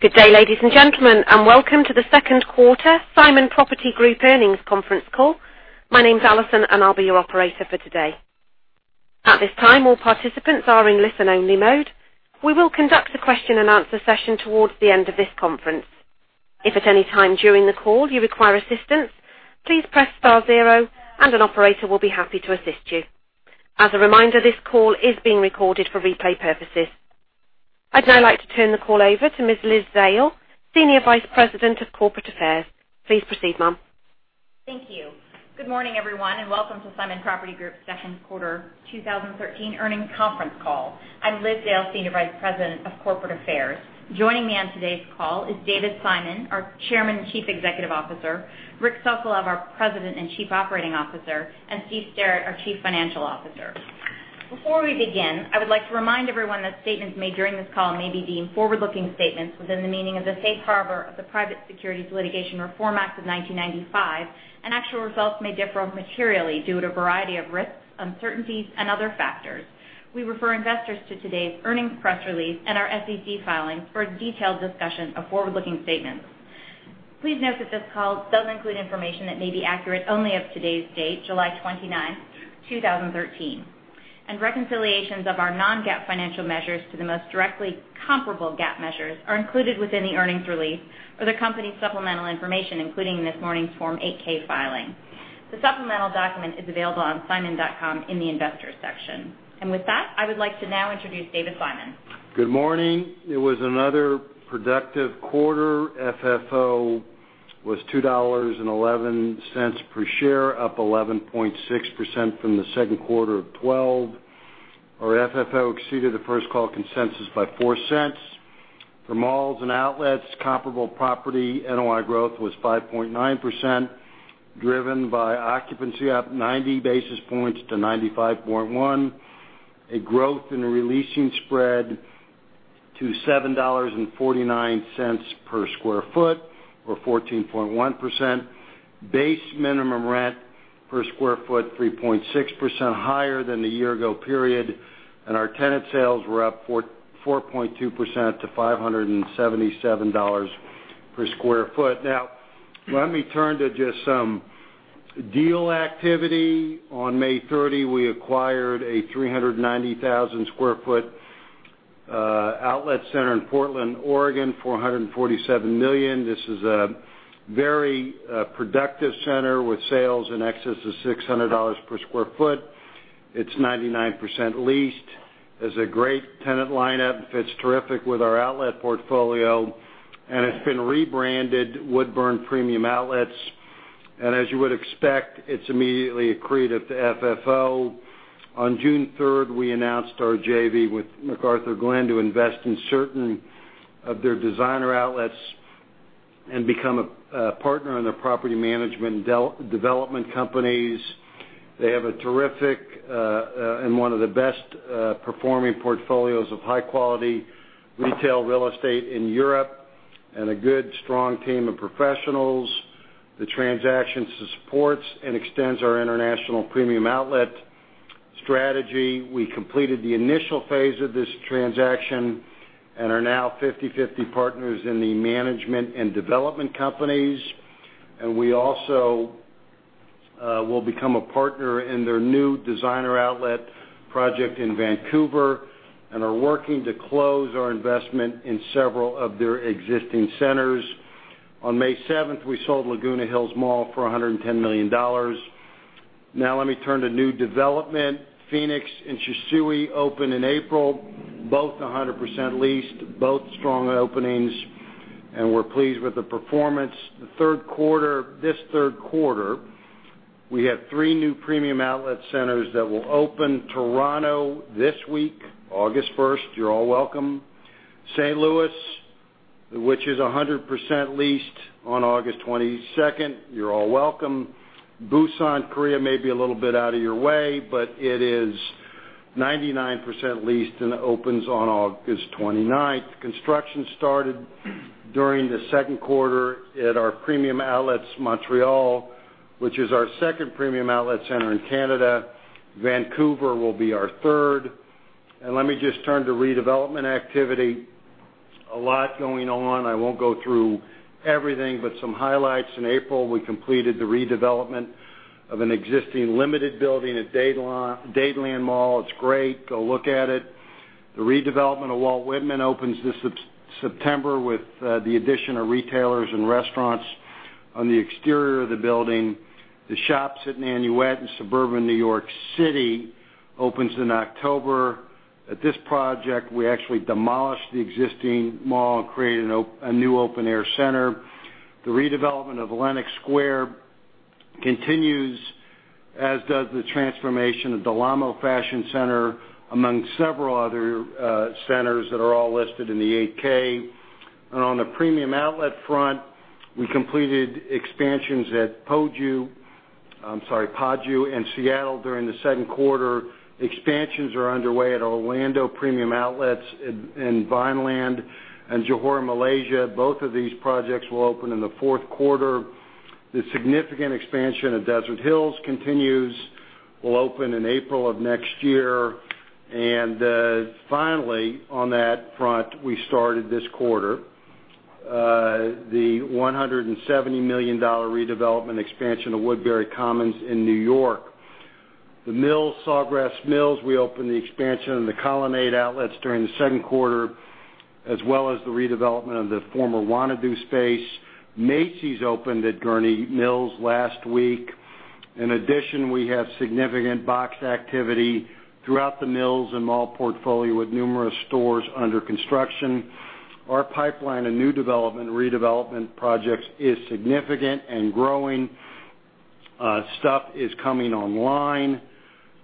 Good day, ladies and gentlemen, and welcome to the second quarter Simon Property Group earnings conference call. My name's Allison, and I'll be your operator for today. At this time, all participants are in listen-only mode. We will conduct a question-and-answer session towards the end of this conference. If at any time during the call you require assistance, please press star zero and an operator will be happy to assist you. As a reminder, this call is being recorded for replay purposes. I'd now like to turn the call over to Ms. Liz Zale, Senior Vice President of Corporate Affairs. Please proceed, ma'am. Thank you. Good morning, everyone, and welcome to Simon Property Group's second quarter 2013 earnings conference call. I'm Liz Zale, Senior Vice President of Corporate Affairs. Joining me on today's call is David Simon, our Chairman and Chief Executive Officer, Richard Sokolov, our President and Chief Operating Officer, and Stephen Sterrett, our Chief Financial Officer. Before we begin, I would like to remind everyone that statements made during this call may be deemed forward-looking statements within the meaning of the safe harbor of the Private Securities Litigation Reform Act of 1995. Actual results may differ materially due to a variety of risks, uncertainties, and other factors. We refer investors to today's earnings press release and our SEC filings for a detailed discussion of forward-looking statements. Please note that this call does include information that may be accurate only as of today's date, July 29, 2013. Reconciliations of our non-GAAP financial measures to the most directly comparable GAAP measures are included within the earnings release or the company's supplemental information, including this morning's Form 8-K filing. The supplemental document is available on simon.com in the investors section. With that, I would like to now introduce David Simon. Good morning. It was another productive quarter. FFO was $2.11 per share, up 11.6% from the second quarter of 2012. Our FFO exceeded the first call consensus by $0.04. For malls and outlets, comparable property NOI growth was 5.9%, driven by occupancy up 90 basis points to 95.1%, a growth in the leasing spread to $7.49 per square foot or 14.1%. Base minimum rent per square foot, 3.6% higher than the year ago period. Our tenant sales were up 4.2% to $577 per square foot. Now, let me turn to just some deal activity. On May 30, we acquired a 390,000 square foot outlet center in Portland, Oregon for $147 million. This is a very productive center with sales in excess of $600 per square foot. It's 99% leased. Has a great tenant lineup, fits terrific with our outlet portfolio, and it's been rebranded Woodburn Premium Outlets. As you would expect, it's immediately accretive to FFO. On June 3rd, we announced our JV with McArthurGlen to invest in certain of their designer outlets and become a partner in their property management development companies. They have a terrific, and one of the best performing portfolios of high-quality retail real estate in Europe and a good, strong team of professionals. The transaction supports and extends our international premium outlet strategy. We completed the initial phase of this transaction and are now 50/50 partners in the management and development companies. We also will become a partner in their new designer outlet project in Vancouver and are working to close our investment in several of their existing centers. On May 7th, we sold Laguna Hills Mall for $110 million. Now let me turn to new development. Phoenix and Shisui opened in April, both 100% leased, both strong openings. We're pleased with the performance. This third quarter, we have three new premium outlet centers that will open. Toronto this week, August 1st, you're all welcome. St. Louis, which is 100% leased on August 22nd, you're all welcome. Busan, Korea may be a little bit out of your way, but it is 99% leased and opens on August 29th. Construction started during the second quarter at our premium outlets, Montreal, which is our second premium outlet center in Canada. Vancouver will be our third. Let me just turn to redevelopment activity. A lot going on. I won't go through everything, but some highlights. In April, we completed the redevelopment of an existing limited building at Dadeland Mall. It's great. Go look at it. The redevelopment of Walt Whitman opens this September with the addition of retailers and restaurants on the exterior of the building. The Shops at Nanuet in suburban New York City opens in October. At this project, we actually demolished the existing mall and created a new open-air center. The redevelopment of Lenox Square continues, as does the transformation of Del Amo Fashion Center, among several other centers that are all listed in the 8-K. On the premium outlet front, we completed expansions at Paju and Seattle during the second quarter. Expansions are underway at Orlando Premium Outlets in Vineland and Johor, Malaysia. Both of these projects will open in the fourth quarter. The significant expansion of Desert Hills continues. We'll open in April of next year. Finally, on that front, we started this quarter, the $170 million redevelopment expansion of Woodbury Commons in New York. The Mills, Sawgrass Mills, we opened the expansion in the Colonnade Outlets during the second quarter, as well as the redevelopment of the former Wannado space. Macy's opened at Gurnee Mills last week. In addition, we have significant box activity throughout the Mills and Mall portfolio, with numerous stores under construction. Our pipeline of new development, redevelopment projects is significant and growing. Stuff is coming online.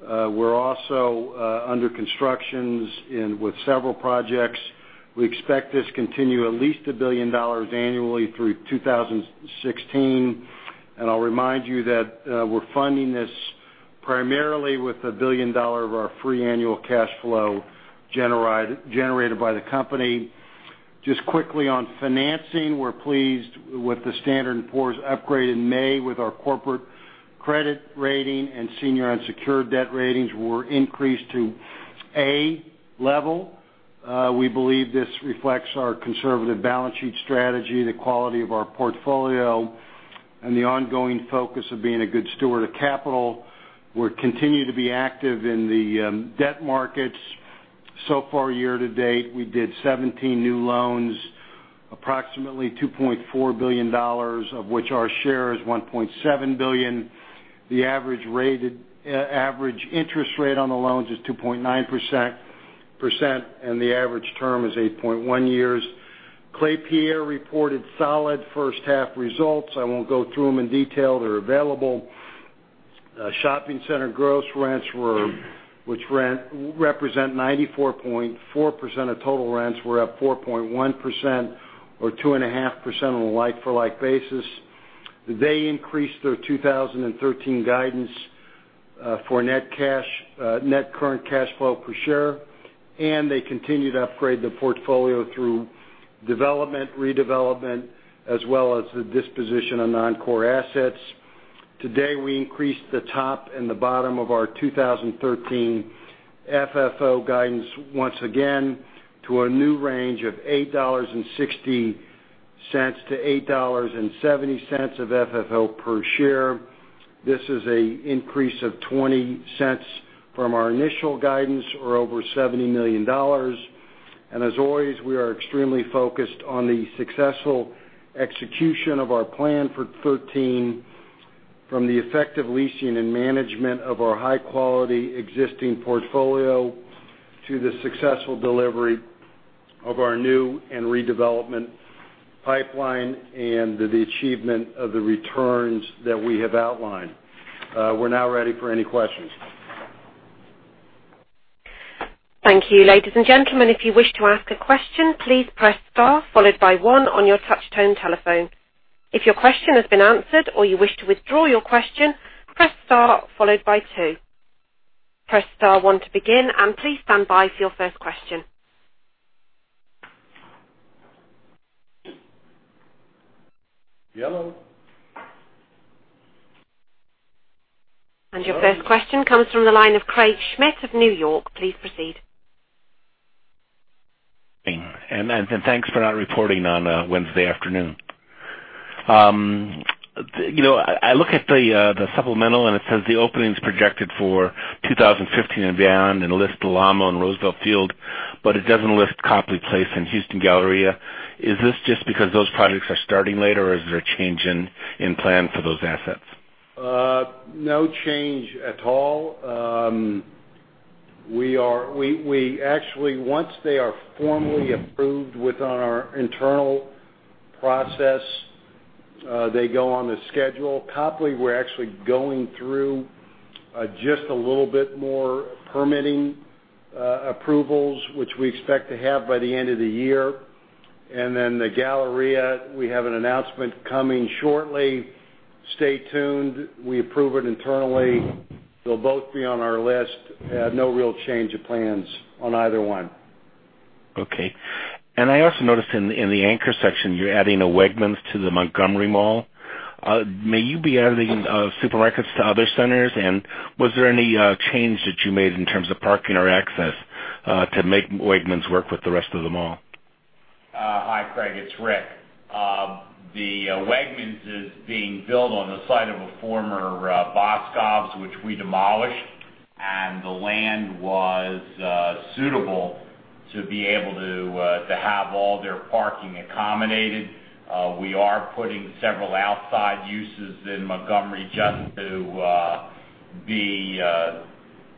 We're also under construction with several projects. We expect this to continue at least $1 billion annually through 2016. I'll remind you that we're funding this primarily with $1 billion of our free annual cash flow generated by the company. Just quickly on financing, we're pleased with the Standard & Poor's upgrade in May with our corporate credit rating, and senior unsecured debt ratings were increased to A level. We believe this reflects our conservative balance sheet strategy, the quality of our portfolio, and the ongoing focus of being a good steward of capital. We'll continue to be active in the debt markets. So far, year to date, we did 17 new loans, approximately $2.4 billion, of which our share is $1.7 billion. The average interest rate on the loans is 2.9%, and the average term is 8.1 years. Klépierre reported solid first-half results. I won't go through them in detail. They're available. Shopping center gross rents, which represent 94.4% of total rents, were up 4.1%, or 2.5% on a like-for-like basis. They increased their 2013 guidance for net current cash flow per share, and they continued to upgrade the portfolio through development, redevelopment, as well as the disposition of non-core assets. Today, we increased the top and the bottom of our 2013 FFO guidance, once again, to a new range of $8.60 to $8.70 of FFO per share. This is an increase of $0.20 from our initial guidance, or over $70 million. As always, we are extremely focused on the successful execution of our plan for 2013, from the effective leasing and management of our high-quality existing portfolio to the successful delivery of our new and redevelopment pipeline and the achievement of the returns that we have outlined. We're now ready for any questions. Thank you. Ladies and gentlemen, if you wish to ask a question, please press star followed by one on your touch tone telephone. If your question has been answered or you wish to withdraw your question, press star followed by two. Press star one to begin, and please stand by for your first question. Hello? Your first question comes from the line of Craig Schmidt of New York. Please proceed. Thanks for not reporting on Wednesday afternoon. I look at the supplemental, and it says the opening's projected for 2015 and beyond and lists Del Amo and Roosevelt Field, but it doesn't list Copley Place and Houston Galleria. Is this just because those projects are starting later, or is there a change in plan for those assets? No change at all. Once they are formally approved within our internal process, they go on the schedule. Copley, we're actually going through just a little bit more permitting approvals, which we expect to have by the end of the year. The Galleria, we have an announcement coming shortly. Stay tuned. We approve it internally. They'll both be on our list. No real change of plans on either one. Okay. I also noticed in the anchor section, you're adding a Wegmans to the Montgomery Mall. May you be adding supermarkets to other centers? Was there any change that you made in terms of parking or access to make Wegmans work with the rest of the mall? Hi, Craig. It's Rick. The Wegmans is being built on the site of a former Boscov's, which we demolished. The land was suitable to be able to have all their parking accommodated. We are putting several outside uses in Montgomery just to be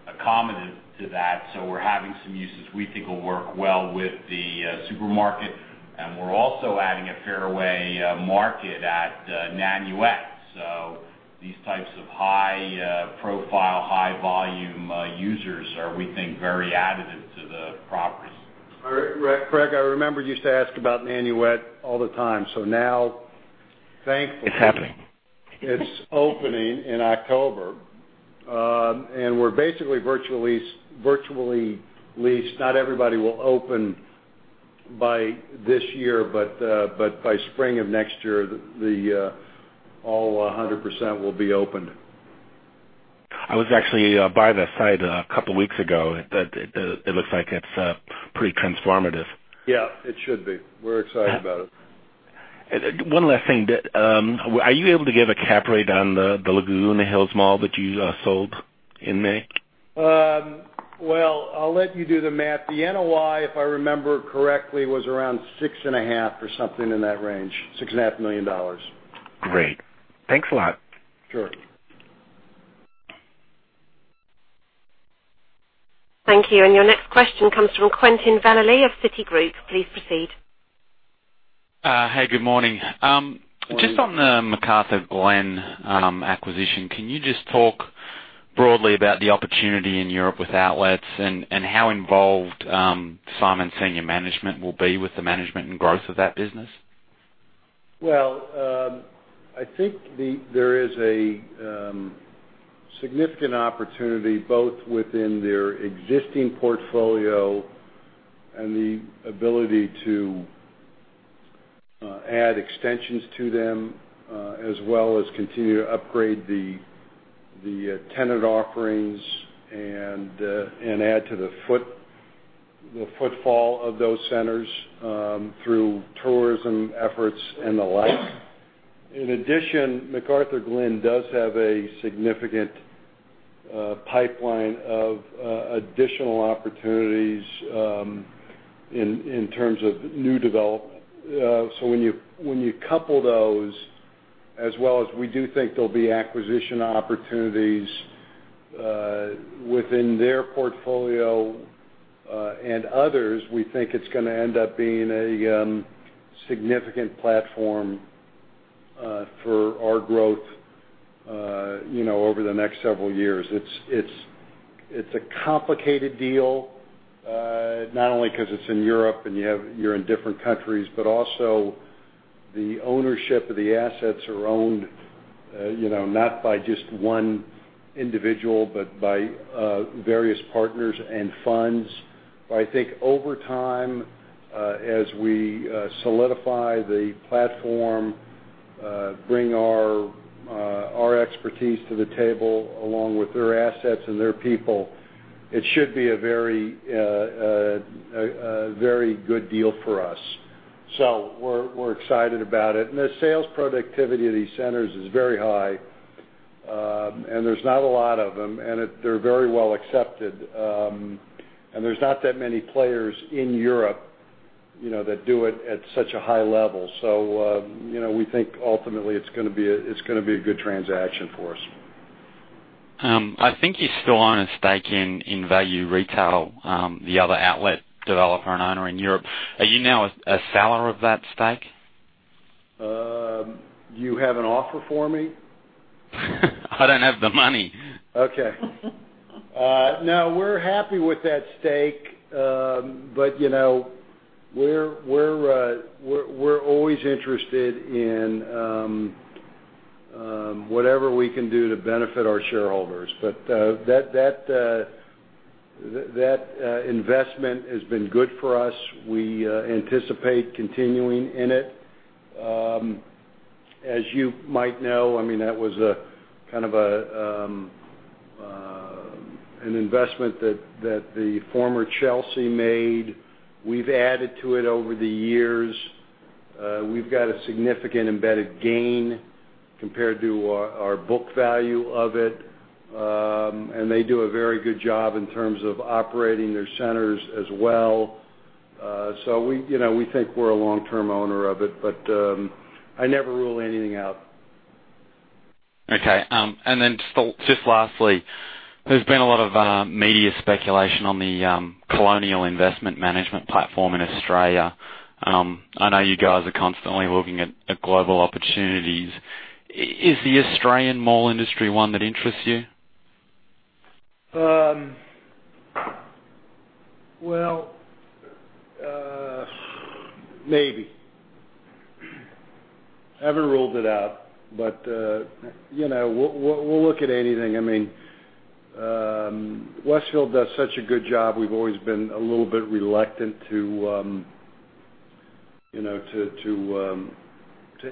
accommodant to that, so we're having some uses we think will work well with the supermarket. We're also adding a Fairway Market at Nanuet. These types of high profile, high volume users are, we think, very additive to the properties. Craig, I remember you used to ask about Nanuet all the time. Now, thankfully. It's happening. It's opening in October. We're basically virtually leased. Not everybody will open by this year, but by spring of next year, all 100% will be opened. I was actually by the site a couple of weeks ago. It looks like it's pretty transformative. Yeah, it should be. We're excited about it. One last thing. Are you able to give a cap rate on the Laguna Hills Mall that you sold in May? Well, I'll let you do the math. The NOI, if I remember correctly, was around six and a half or something in that range. $6.5 million. Great. Thanks a lot. Sure. Thank you. Your next question comes from Quentin Van Leeuwen of Citigroup. Please proceed. Hey, good morning. Morning. Just on the McArthurGlen acquisition, can you just talk broadly about the opportunity in Europe with outlets and how involved Simon senior management will be with the management and growth of that business? Well, I think there is a significant opportunity both within their existing portfolio and the ability to add extensions to them, as well as continue to upgrade the tenant offerings and add to the footfall of those centers through tourism efforts and the like. In addition, McArthurGlen does have a significant pipeline of additional opportunities in terms of new development. When you couple those, as well as we do think there will be acquisition opportunities within their portfolio and others, we think it is going to end up being a significant platform for our growth over the next several years. It is a complicated deal, not only because it is in Europe and you are in different countries, but also the ownership of the assets are owned, not by just one individual, but by various partners and funds. I think over time, as we solidify the platform, bring our expertise to the table along with their assets and their people, it should be a very good deal for us. We're excited about it. The sales productivity of these centers is very high. There's not a lot of them, and they're very well accepted. There's not that many players in Europe that do it at such a high level. We think ultimately it's going to be a good transaction for us. I think you still own a stake in Value Retail, the other outlet developer and owner in Europe. Are you now a seller of that stake? Do you have an offer for me? I don't have the money. Okay. No, we're happy with that stake. We're always interested in whatever we can do to benefit our shareholders. That investment has been good for us. We anticipate continuing in it. As you might know, that was an investment that the former Chelsea made. We've added to it over the years. We've got a significant embedded gain compared to our book value of it. They do a very good job in terms of operating their centers as well. We think we're a long-term owner of it, but I never rule anything out. Okay. Just lastly, there's been a lot of media speculation on the Colonial investment management platform in Australia. I know you guys are constantly looking at global opportunities. Is the Australian mall industry one that interests you? Well, maybe. I haven't ruled it out. We'll look at anything. Westfield does such a good job, we've always been a little bit reluctant to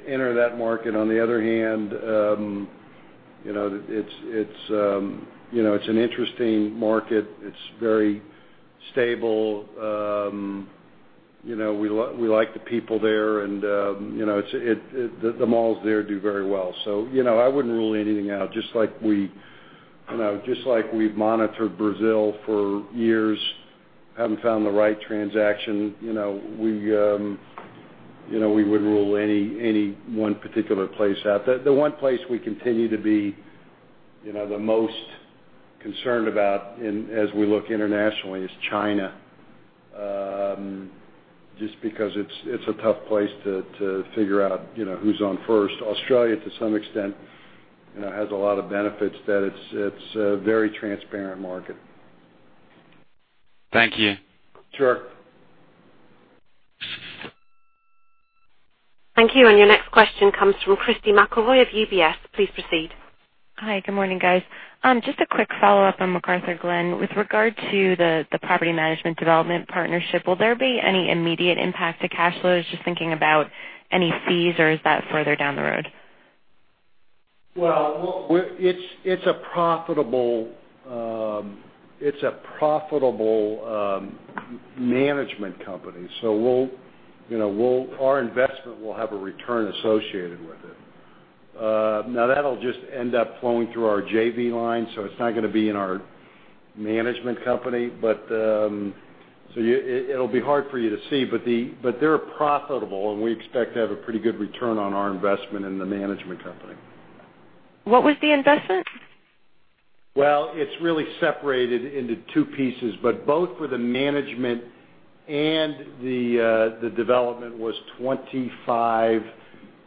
enter that market. On the other hand, it's an interesting market. It's very stable. We like the people there, and the malls there do very well. I wouldn't rule anything out, just like we've monitored Brazil for years, haven't found the right transaction. We wouldn't rule any one particular place out. The one place we continue to be the most concerned about as we look internationally is China, just because it's a tough place to figure out who's on first. Australia, to some extent, has a lot of benefits that it's a very transparent market. Thank you. Sure. Thank you. Your next question comes from Christy McElroy of UBS. Please proceed. Hi, good morning, guys. Just a quick follow-up on McArthurGlen. With regard to the property management development partnership, will there be any immediate impact to cash flows? Just thinking about any fees or is that further down the road? Well, it's a profitable management company, so our investment will have a return associated with it. Now, that'll just end up flowing through our JV line, so it's not going to be in our management company. It'll be hard for you to see, but they're profitable, and we expect to have a pretty good return on our investment in the management company. What was the investment? Well, it's really separated into two pieces, but both for the management and the development was 25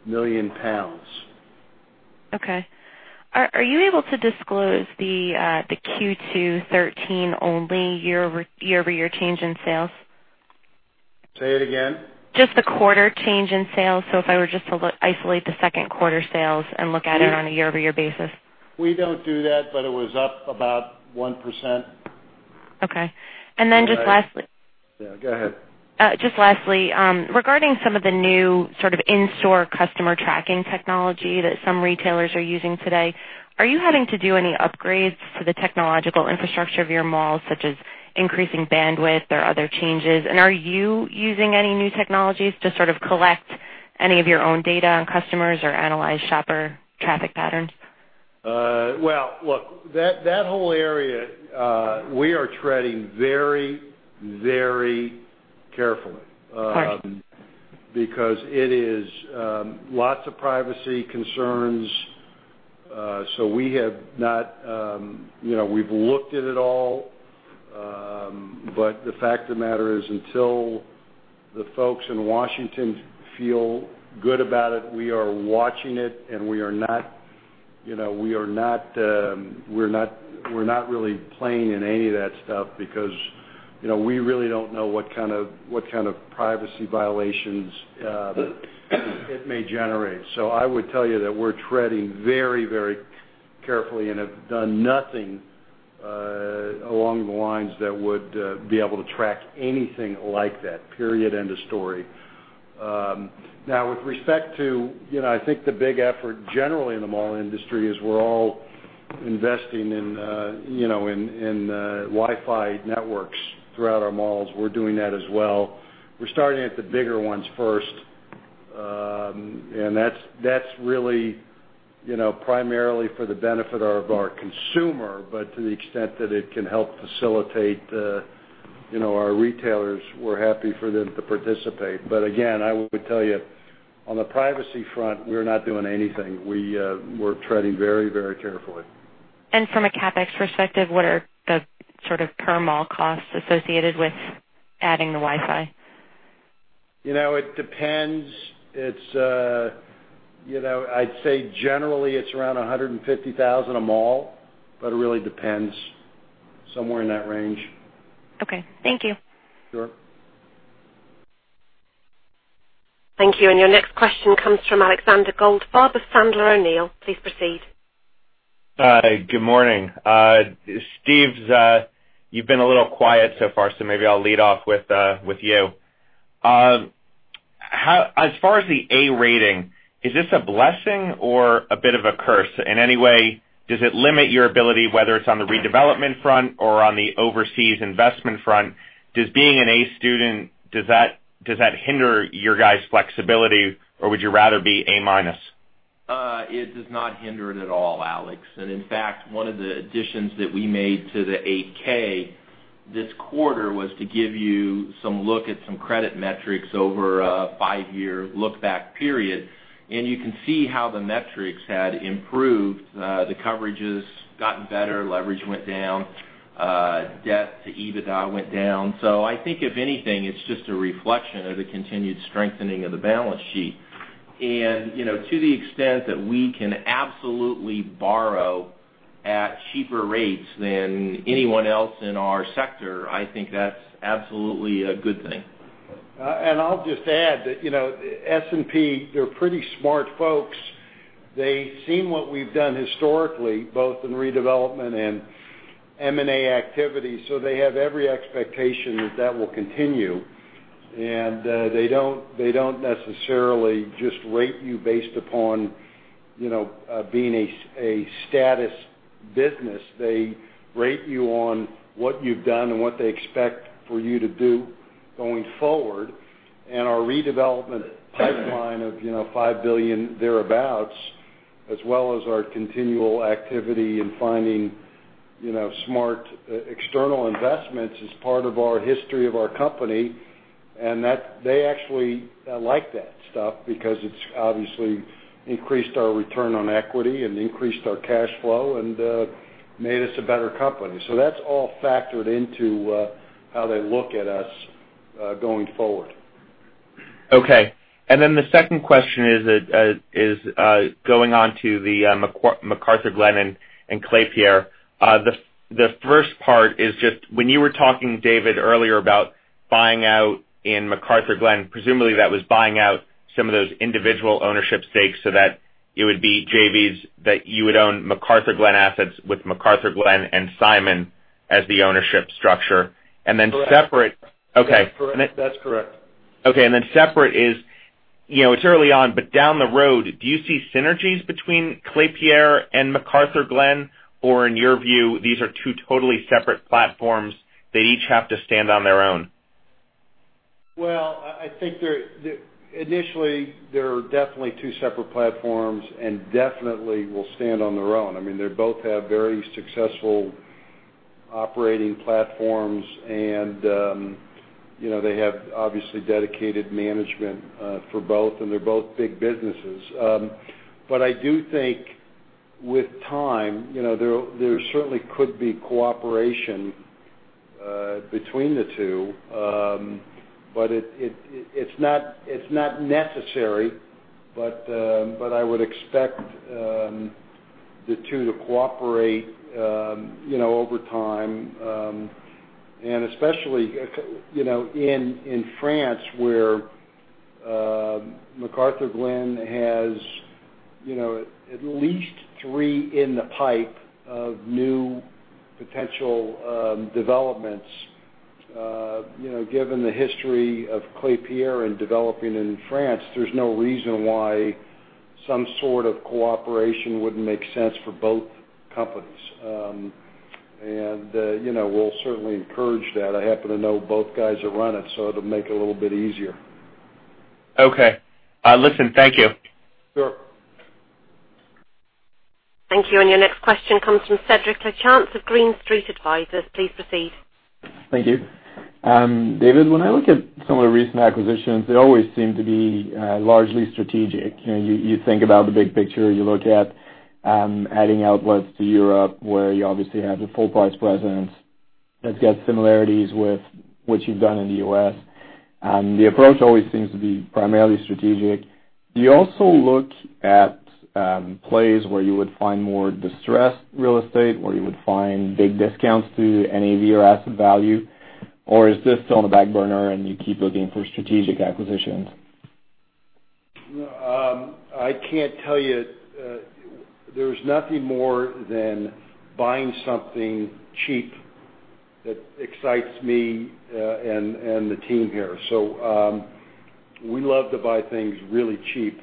million pounds. Okay. Are you able to disclose the Q2 2013 only year-over-year change in sales? Say it again. Just the quarter change in sales. If I were just to isolate the second quarter sales and look at it on a year-over-year basis. We don't do that. It was up about 1%. Okay. Just lastly. Yeah, go ahead. Just lastly, regarding some of the new sort of in-store customer tracking technology that some retailers are using today, are you having to do any upgrades to the technological infrastructure of your malls, such as increasing bandwidth or other changes? Are you using any new technologies to sort of collect any of your own data on customers or analyze shopper traffic patterns? Look, that whole area, we are treading very carefully. Right. It is lots of privacy concerns. We've looked at it all. The fact of the matter is, until the folks in Washington feel good about it, we are watching it, and we're not really playing in any of that stuff because we really don't know what kind of privacy violations it may generate. I would tell you that we're treading very carefully and have done nothing along the lines that would be able to track anything like that, period, end of story. With respect to, I think the big effort generally in the mall industry is we're all investing in Wi-Fi networks throughout our malls. We're doing that as well. We're starting at the bigger ones first. That's really primarily for the benefit of our consumer, but to the extent that it can help facilitate our retailers, we're happy for them to participate. Again, I would tell you, on the privacy front, we're not doing anything. We're treading very carefully. From a CapEx perspective, what are the sort of per mall costs associated with adding the Wi-Fi? It depends. I'd say generally it's around 150,000 a mall, but it really depends. Somewhere in that range. Okay. Thank you. Sure. Thank you. Your next question comes from Alexander Goldfarb of Sandler O'Neill. Please proceed. Hi. Good morning. Steve, you've been a little quiet so far, maybe I'll lead off with you. As far as the A rating, is this a blessing or a bit of a curse in any way? Does it limit your ability, whether it's on the redevelopment front or on the overseas investment front? Does being an A student hinder your guys' flexibility, or would you rather be A-minus? It does not hinder it at all, Alex. In fact, one of the additions that we made to the 8-K this quarter was to give you some look at some credit metrics over a 5-year look back period, and you can see how the metrics had improved. The coverage has gotten better, leverage went down, debt to EBITDA went down. I think if anything, it's just a reflection of the continued strengthening of the balance sheet. To the extent that we can absolutely borrow at cheaper rates than anyone else in our sector, I think that's absolutely a good thing. I'll just add that S&P, they're pretty smart folks. They've seen what we've done historically, both in redevelopment and M&A activity. They have every expectation that that will continue, and they don't necessarily just rate you based upon being a status business. They rate you on what you've done and what they expect for you to do going forward. Our redevelopment pipeline of $5 billion thereabouts, as well as our continual activity in finding smart external investments is part of our history of our company, and they actually like that stuff because it's obviously increased our return on equity and increased our cash flow and made us a better company. That's all factored into how they look at us going forward. Okay. Then the second question is going on to the McArthurGlen and Klépierre. The first part is just when you were talking, David, earlier about buying out in McArthurGlen, presumably that was buying out some of those individual ownership stakes so that it would be JVs, that you would own McArthurGlen assets with McArthurGlen and Simon as the ownership structure. Correct. Okay. That's correct. Separate is, it's early on, but down the road, do you see synergies between Klépierre and McArthurGlen? In your view, these are two totally separate platforms, they each have to stand on their own? Well, I think initially, they're definitely two separate platforms and definitely will stand on their own. I mean, they both have very successful operating platforms and they have obviously dedicated management for both and they're both big businesses. I do think with time, there certainly could be cooperation between the two. It's not necessary, but I would expect the two to cooperate over time, especially, in France, where McArthurGlen has at least three in the pipe of new potential developments. Given the history of Klépierre in developing in France, there's no reason why some sort of cooperation wouldn't make sense for both companies. We'll certainly encourage that. I happen to know both guys who run it, so it'll make it a little bit easier. Okay. Listen, thank you. Sure. Thank you. Your next question comes from Cedrik Lachance of Green Street Advisors. Please proceed. Thank you. David, when I look at some of the recent acquisitions, they always seem to be largely strategic. You think about the big picture, you look at adding outlets to Europe, where you obviously have the full parts presence that has similarities with what you have done in the U.S. The approach always seems to be primarily strategic. Do you also look at plays where you would find more distressed real estate, where you would find big discounts to NAV or asset value? Is this still on the back burner and you keep looking for strategic acquisitions? I cannot tell you there is nothing more than buying something cheap that excites me and the team here. We love to buy things really cheap.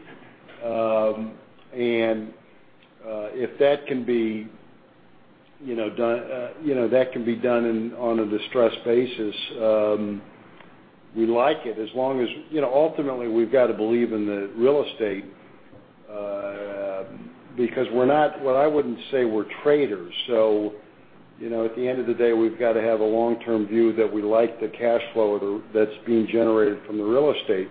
If that can be done on a distressed basis, we like it. Ultimately, we have got to believe in the real estate, because I would not say we are traders. At the end of the day, we have got to have a long-term view that we like the cash flow that is being generated from the real estate.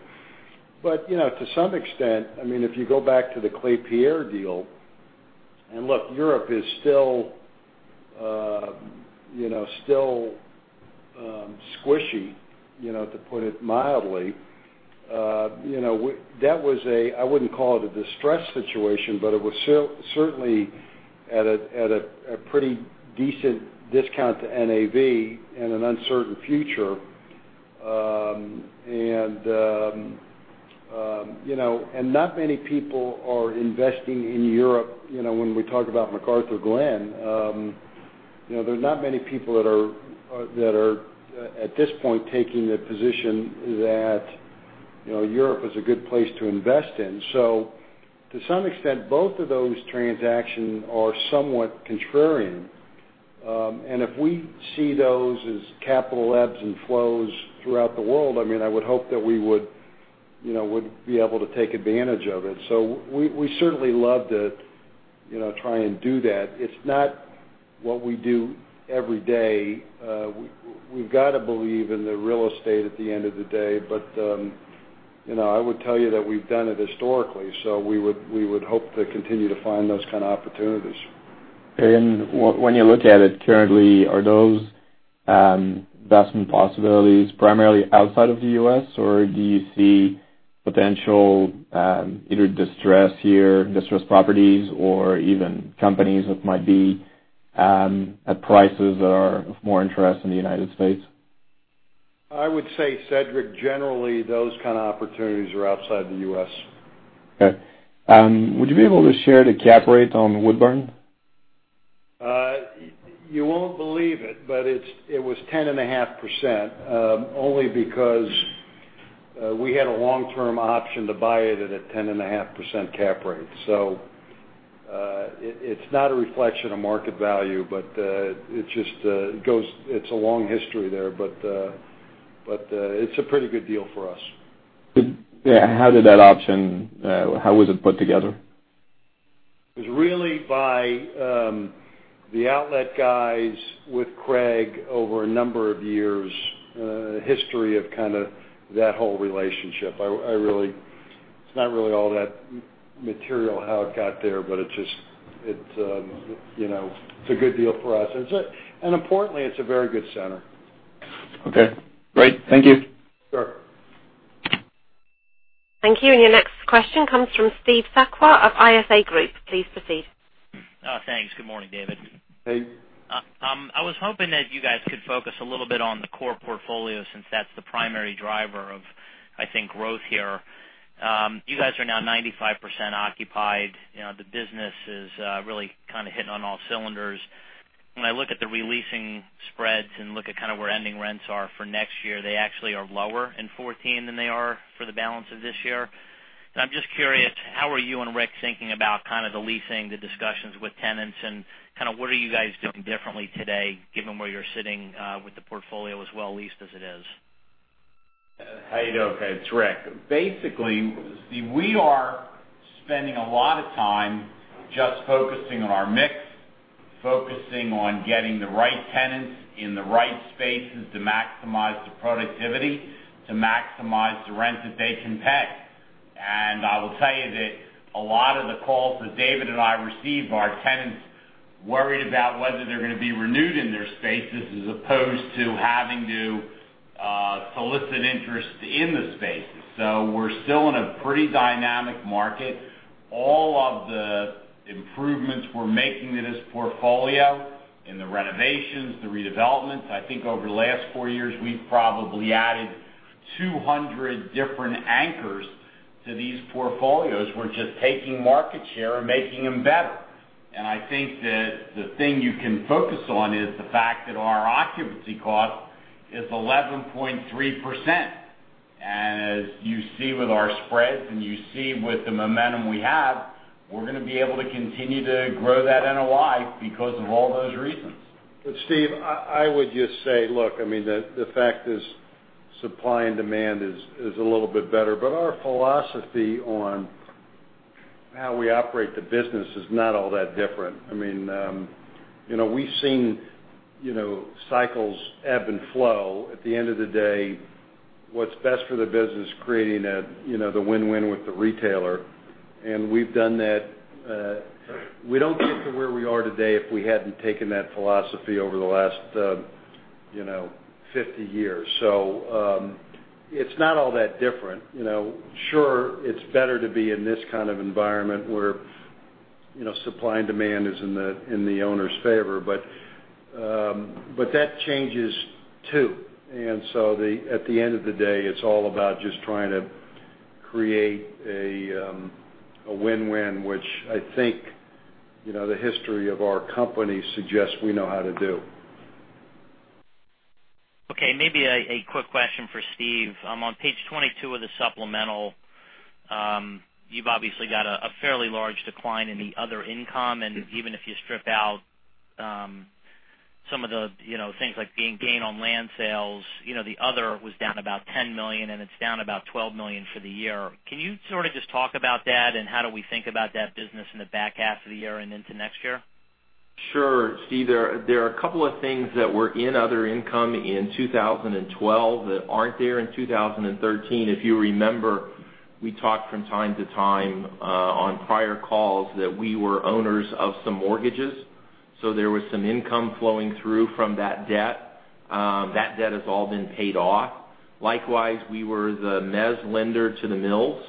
To some extent, if you go back to the Klépierre deal, look, Europe is still squishy, to put it mildly. That was, I would not call it a distressed situation, but it was certainly at a pretty decent discount to NAV and an uncertain future. Not many people are investing in Europe. When we talk about McArthurGlen, there is not many people that are, at this point, taking the position that Europe is a good place to invest in. To some extent, both of those transactions are somewhat contrarian. If we see those as capital ebbs and flows throughout the world, I would hope that we would be able to take advantage of it. We certainly love to try and do that. It is not what we do every day. We have got to believe in the real estate at the end of the day. I would tell you that we have done it historically, we would hope to continue to find those kind of opportunities. When you look at it currently, are those investment possibilities primarily outside of the U.S., or do you see potential, either distressed properties or even companies that might be at prices that are of more interest in the United States? I would say, Cedrik, generally, those kind of opportunities are outside the U.S. Okay. Would you be able to share the cap rate on Woodburn? You won't believe it, but it was 10.5%, only because we had a long-term option to buy it at a 10.5% cap rate. It's not a reflection of market value, but it's a long history there. It's a pretty good deal for us. How did that option, how was it put together? It was really by the outlet guys with Craig over a number of years, history of kind of that whole relationship. It's not really all that material how it got there, but it's a good deal for us. Importantly, it's a very good center. Okay. Great. Thank you. Sure. Thank you. Your next question comes from Steve Sakwa of ISI Group. Please proceed. Oh, thanks. Good morning, David. Hey. I was hoping that you guys could focus a little bit on the core portfolio since that's the primary driver of, I think, growth here. You guys are now 95% occupied. The business is really kind of hitting on all cylinders. When I look at the re-leasing spreads and look at kind of where ending rents are for next year, they actually are lower in 2014 than they are for the balance of this year. I'm just curious, how are you and Rick thinking about kind of the leasing, the discussions with tenants, and kind of what are you guys doing differently today, given where you're sitting with the portfolio as well leased as it is? How you doing? Okay, it's Rick. Steve, we are spending a lot of time just focusing on our mix, focusing on getting the right tenants in the right spaces to maximize the productivity, to maximize the rent that they can pay. I will tell you that a lot of the calls that David Simon and I receive are tenants worried about whether they're going to be renewed in their spaces as opposed to having to solicit interest in the spaces. We're still in a pretty dynamic market. All of the improvements we're making to this portfolio in the renovations, the redevelopments, I think over the last 4 years, we've probably added 200 different anchors to these portfolios. We're just taking market share and making them better. I think that the thing you can focus on is the fact that our occupancy cost is 11.3%. As you see with our spreads and you see with the momentum we have, we're going to be able to continue to grow that NOI because of all those reasons. But Steve, I would just say, look, the fact is supply and demand is a little bit better, but our philosophy on how we operate the business is not all that different. We've seen cycles ebb and flow. At the end of the day, what's best for the business is creating the win-win with the retailer, and we've done that. We don't get to where we are today if we hadn't taken that philosophy over the last 50 years. It's not all that different. Sure, it's better to be in this kind of environment where supply and demand is in the owner's favor, but that changes too. At the end of the day, it's all about just trying to create a win-win, which I think, the history of our company suggests we know how to do. Okay, maybe a quick question for Steve. On page 22 of the supplemental, you've obviously got a fairly large decline in the other income, and even if you strip out some of the things like gain on land sales, the other was down about $10 million, and it's down about $12 million for the year. Can you sort of just talk about that, and how do we think about that business in the back half of the year and into next year? Sure, Steve. There are a couple of things that were in other income in 2012 that aren't there in 2013. If you remember, we talked from time to time, on prior calls that we were owners of some mortgages, so there was some income flowing through from that debt. That debt has all been paid off. Likewise, we were the mezz lender to The Mills.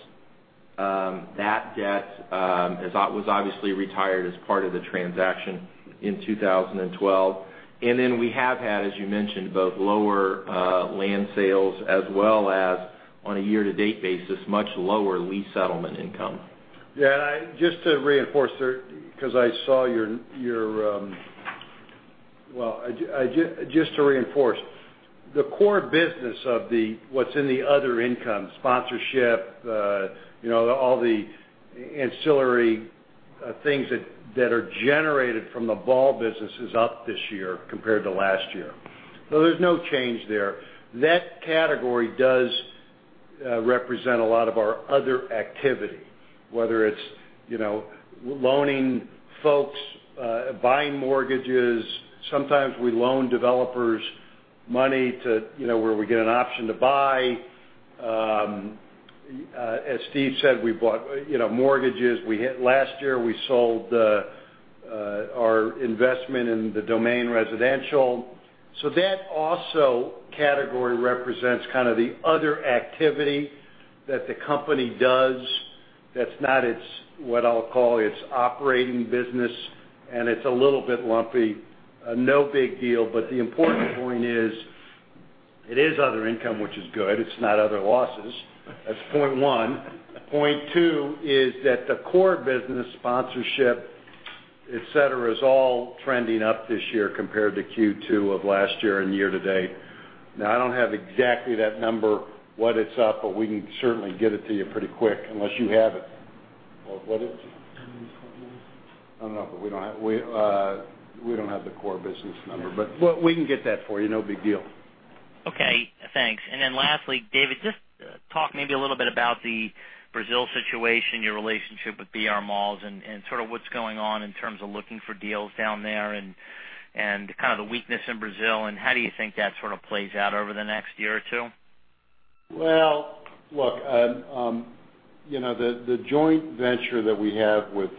That debt was obviously retired as part of the transaction in 2012. Then we have had, as you mentioned, both lower land sales as well as on a year-to-date basis, much lower lease settlement income. Just to reinforce. The core business of what's in the other income, sponsorship, all the ancillary things that are generated from the mall business is up this year compared to last year. There's no change there. That category does represent a lot of our other activity, whether it's loaning folks, buying mortgages. Sometimes we loan developers money to where we get an option to buy. As Steve said, we bought mortgages. Last year, we sold our investment in The Domain residential. That also category represents kind of the other activity that the company does that's not its, what I'll call its operating business, and it's a little bit lumpy. No big deal, but the important point is, it is other income, which is good. It's not other losses. That's point one. Point two is that the core business sponsorship, et cetera, is all trending up this year compared to Q2 of last year and year-to-date. I don't have exactly that number, what it's up, but we can certainly get it to you pretty quick, unless you have it. Or what is it? I don't know the core number. I don't know. We don't have the core business number. We can get that for you. No big deal. Okay, thanks. Lastly, David, just talk maybe a little bit about the Brazil situation, your relationship with BR Malls, and sort of what's going on in terms of looking for deals down there and kind of the weakness in Brazil, and how do you think that sort of plays out over the next year or two? Well, look, the joint venture that we have with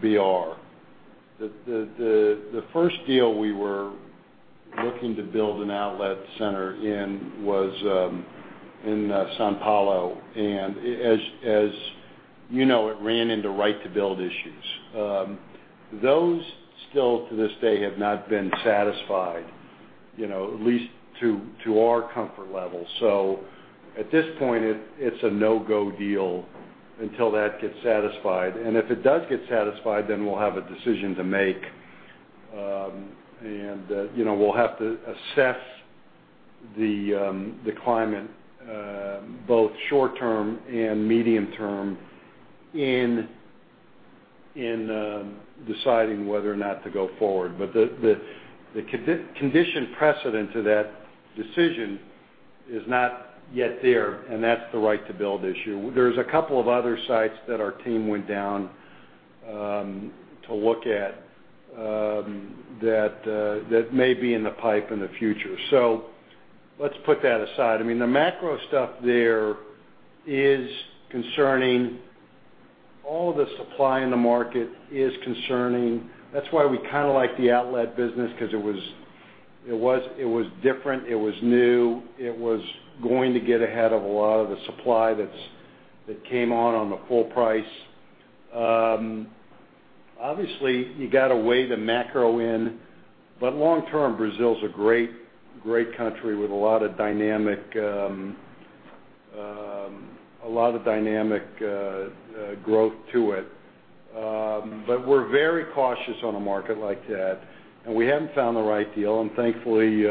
BR, the first deal we were Looking to build an outlet center in São Paulo, as you know, it ran into right-to-build issues. Those still, to this day, have not been satisfied, at least to our comfort level. At this point, it's a no-go deal until that gets satisfied. If it does get satisfied, then we'll have a decision to make. We'll have to assess the climate, both short-term and medium-term, in deciding whether or not to go forward. The condition precedent to that decision is not yet there, and that's the right-to-build issue. There's a couple of other sites that our team went down to look at that may be in the pipe in the future. Let's put that aside. The macro stuff there is concerning. All of the supply in the market is concerning. That's why we kind of like the outlet business, because it was different, it was new, it was going to get ahead of a lot of the supply that came on the full price. Obviously, you got to weigh the macro in. Long term, Brazil is a great country with a lot of dynamic growth to it. We're very cautious on a market like that, and we haven't found the right deal, and thankfully,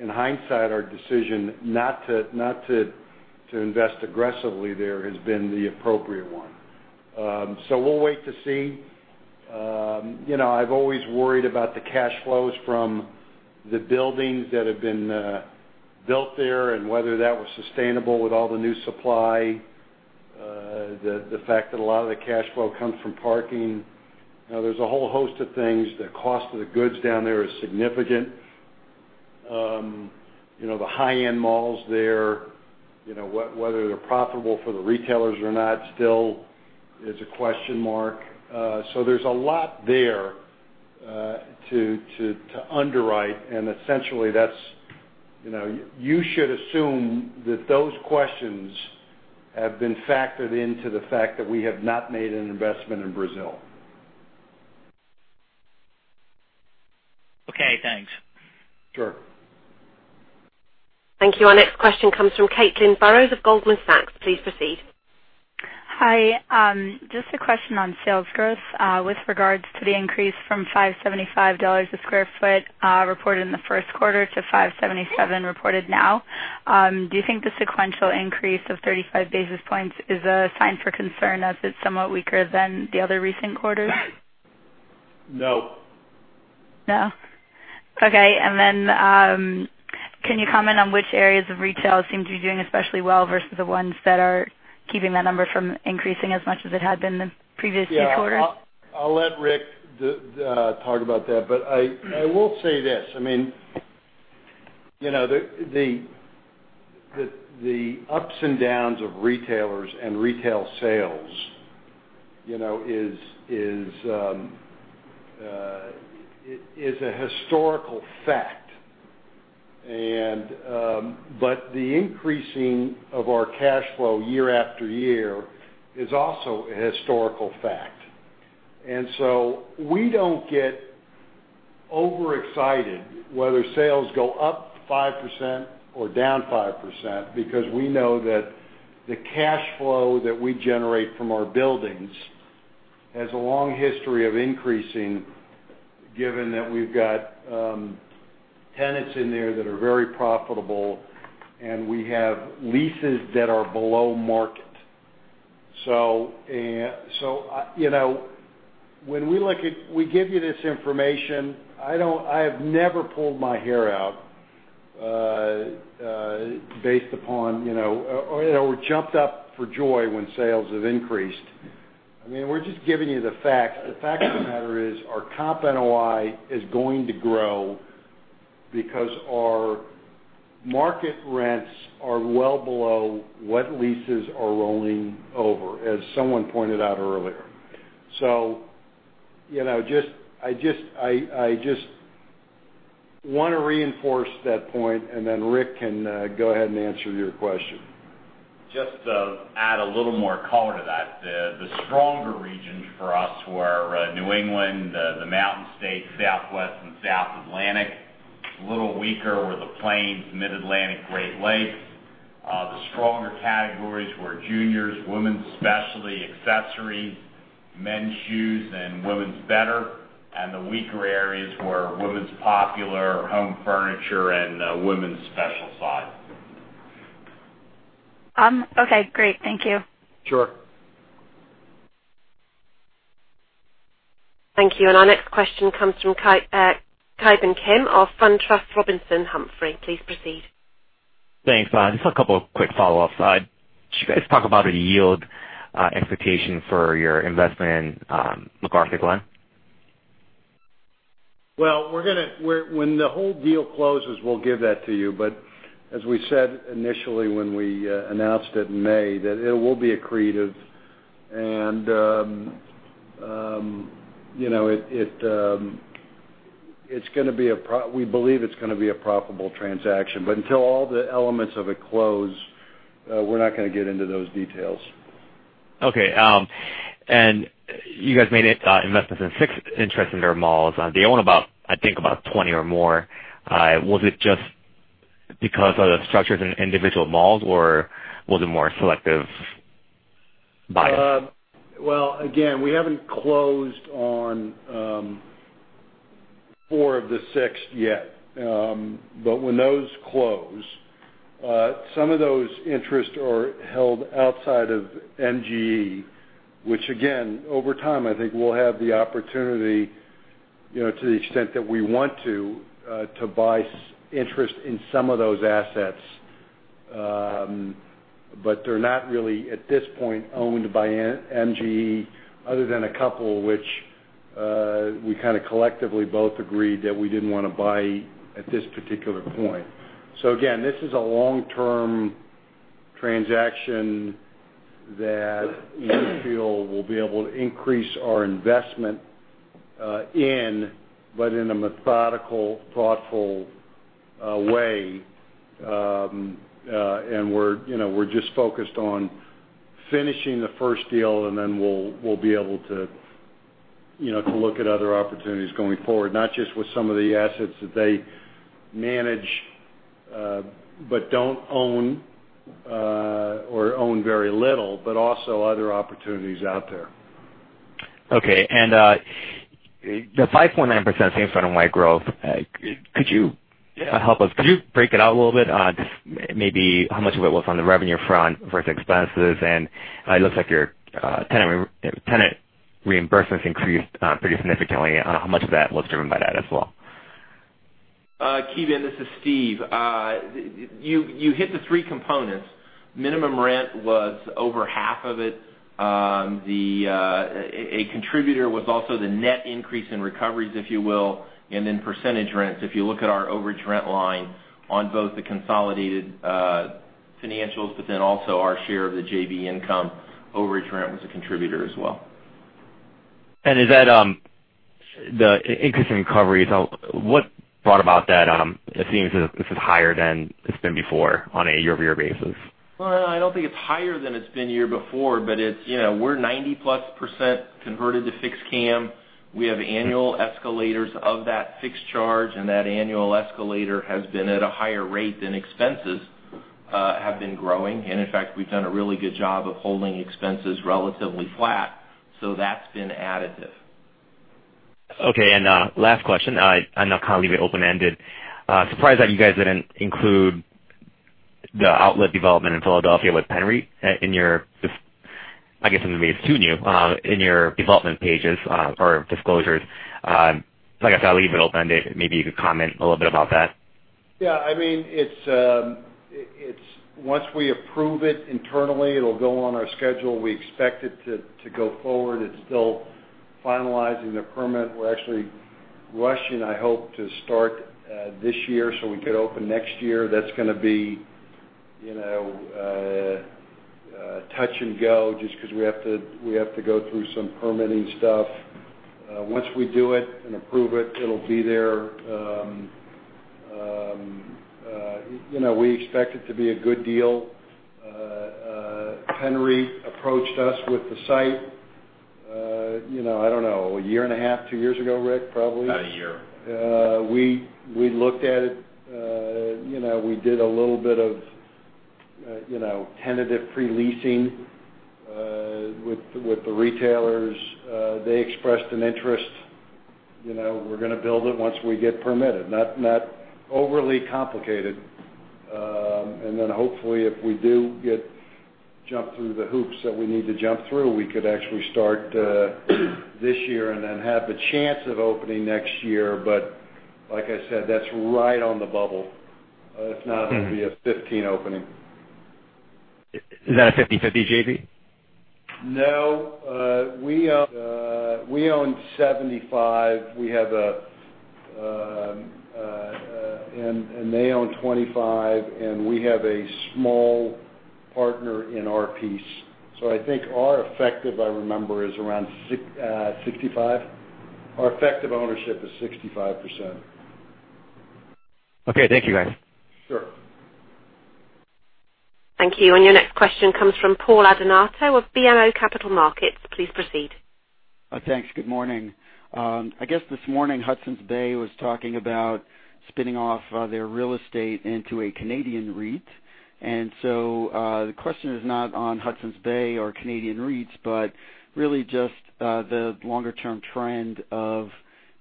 in hindsight, our decision not to invest aggressively there has been the appropriate one. We'll wait to see. I've always worried about the cash flows from the buildings that have been built there and whether that was sustainable with all the new supply, the fact that a lot of the cash flow comes from parking. There's a whole host of things. The cost of the goods down there is significant. The high-end malls there, whether they're profitable for the retailers or not still is a question mark. There's a lot there to underwrite, and essentially, you should assume that those questions have been factored into the fact that we have not made an investment in Brazil. Okay, thanks. Sure. Thank you. Our next question comes from Caitlin Burrows of Goldman Sachs. Please proceed. Hi. Just a question on sales growth with regards to the increase from $5.75 a square foot reported in the first quarter to $5.77 reported now. Do you think the sequential increase of 35 basis points is a sign for concern as it's somewhat weaker than the other recent quarters? No. No? Okay. Then can you comment on which areas of retail seem to be doing especially well versus the ones that are keeping that number from increasing as much as it had been in the previous few quarters? Yeah. I'll let Rick talk about that, I will say this. The ups and downs of retailers and retail sales is a historical fact. The increasing of our cash flow year after year is also a historical fact. We don't get overexcited whether sales go up 5% or down 5%, because we know that the cash flow that we generate from our buildings has a long history of increasing, given that we've got tenants in there that are very profitable, and we have leases that are below market. When we give you this information, I have never pulled my hair out based upon or jumped up for joy when sales have increased. We're just giving you the facts. The fact of the matter is our comp NOI is going to grow because our market rents are well below what leases are rolling over, as someone pointed out earlier. I just want to reinforce that point, and then Rick can go ahead and answer your question. Just to add a little more color to that. The stronger regions for us were New England, the Mountain States, Southwest, and South Atlantic. A little weaker were the Plains, Mid-Atlantic, Great Lakes. The stronger categories were juniors, women's specialty, accessories, men's shoes, and women's better. The weaker areas were women's popular, home furniture, and women's special size. Great. Thank you. Sure. Thank you. Our next question comes from Ki Bin Kim of SunTrust Robinson Humphrey. Please proceed. Thanks. Just a couple of quick follow-ups. Could you guys talk about a yield expectation for your investment in McArthurGlen? Well, when the whole deal closes, we'll give that to you. As we said initially when we announced it in May, that it will be accretive. We believe it's going to be a profitable transaction. Until all the elements of it close, we're not going to get into those details. Okay. You guys made investments in six interest in their malls. They own about, I think, about 20 or more. Was it just because of the structures in individual malls, or was it more selective bias? Well, again, we haven't closed on four of the six yet. When those close, some of those interests are held outside of MGE, which again, over time, I think we'll have the opportunity, to the extent that we want to buy interest in some of those assets. They're not really, at this point, owned by MGE other than a couple of which we kind of collectively both agreed that we didn't want to buy at this particular point. Again, this is a long-term transaction that we feel will be able to increase our investment in, but in a methodical, thoughtful way. We're just focused on finishing the first deal, then we'll be able to look at other opportunities going forward, not just with some of the assets that they manage, but don't own or own very little, but also other opportunities out there. Okay. The 5.9% same property NOI growth, could you- Yeah help us? Could you break it out a little bit on just maybe how much of it was on the revenue front versus expenses? It looks like your tenant reimbursements increased pretty significantly. How much of that was driven by that as well? Ki Bin, this is Steve. You hit the three components. Minimum rent was over half of it. A contributor was also the net increase in recoveries, if you will, and then percentage rents. If you look at our overage rent line on both the consolidated financials, also our share of the JV income, overage rent was a contributor as well. Is that the increase in recoveries? What brought about that? It seems as if it's higher than it's been before on a year-over-year basis. Well, I don't think it's higher than it's been year before, but we're 90-plus % converted to fixed CAM. We have annual escalators of that fixed charge, that annual escalator has been at a higher rate than expenses have been growing. In fact, we've done a really good job of holding expenses relatively flat. That's been additive. Okay, last question, I'll kind of leave it open-ended. Surprised that you guys didn't include the outlet development in Philadelphia with Henri in your, I guess it's too new, in your development pages or disclosures. Like I said, I'll leave it open-ended. Maybe you could comment a little bit about that. Yeah. Once we approve it internally, it'll go on our schedule. We expect it to go forward. It's still finalizing the permit. We're actually rushing, I hope, to start this year, we could open next year. That's going to be touch and go, just because we have to go through some permitting stuff. Once we do it and approve it'll be there. We expect it to be a good deal. Henri approached us with the site, I don't know, a year and a half, two years ago, Rick, probably. About a year. We looked at it. We did a little bit of tentative pre-leasing with the retailers. They expressed an interest. We're going to build it once we get permitted, not overly complicated. Hopefully, if we do jump through the hoops that we need to jump through, we could actually start this year and have the chance of opening next year. Like I said, that's right on the bubble. If not, it'll be a 2015 opening. Is that a 50/50 JV? No. We own 75. They own 25, and we have a small partner in our piece. I think our effective, if I remember, is around 65. Our effective ownership is 65%. Okay. Thank you, guys. Sure. Thank you. Your next question comes from Paul Adornato of BMO Capital Markets. Please proceed. Thanks. Good morning. I guess this morning Hudson's Bay was talking about spinning off their real estate into a Canadian REIT. The question is not on Hudson's Bay or Canadian REITs, but really just the longer-term trend of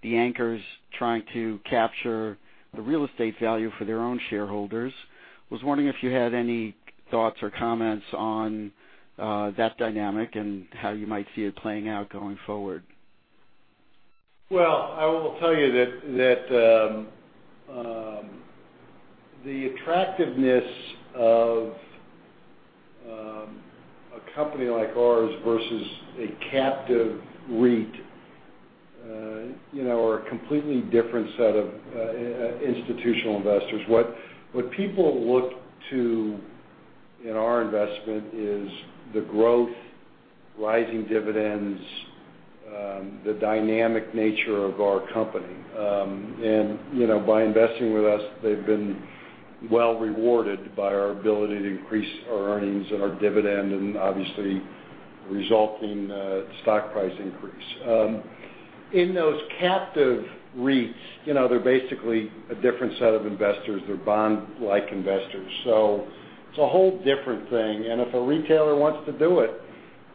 the anchors trying to capture the real estate value for their own shareholders. Was wondering if you had any thoughts or comments on that dynamic and how you might see it playing out going forward. Well, I will tell you that the attractiveness of a company like ours versus a captive REIT. A completely different set of institutional investors. What people look to in our investment is the growth, rising dividends, the dynamic nature of our company. By investing with us, they've been well rewarded by our ability to increase our earnings and our dividend, and obviously, resulting stock price increase. In those captive REITs, they're basically a different set of investors. They're bond-like investors. It's a whole different thing, and if a retailer wants to do it,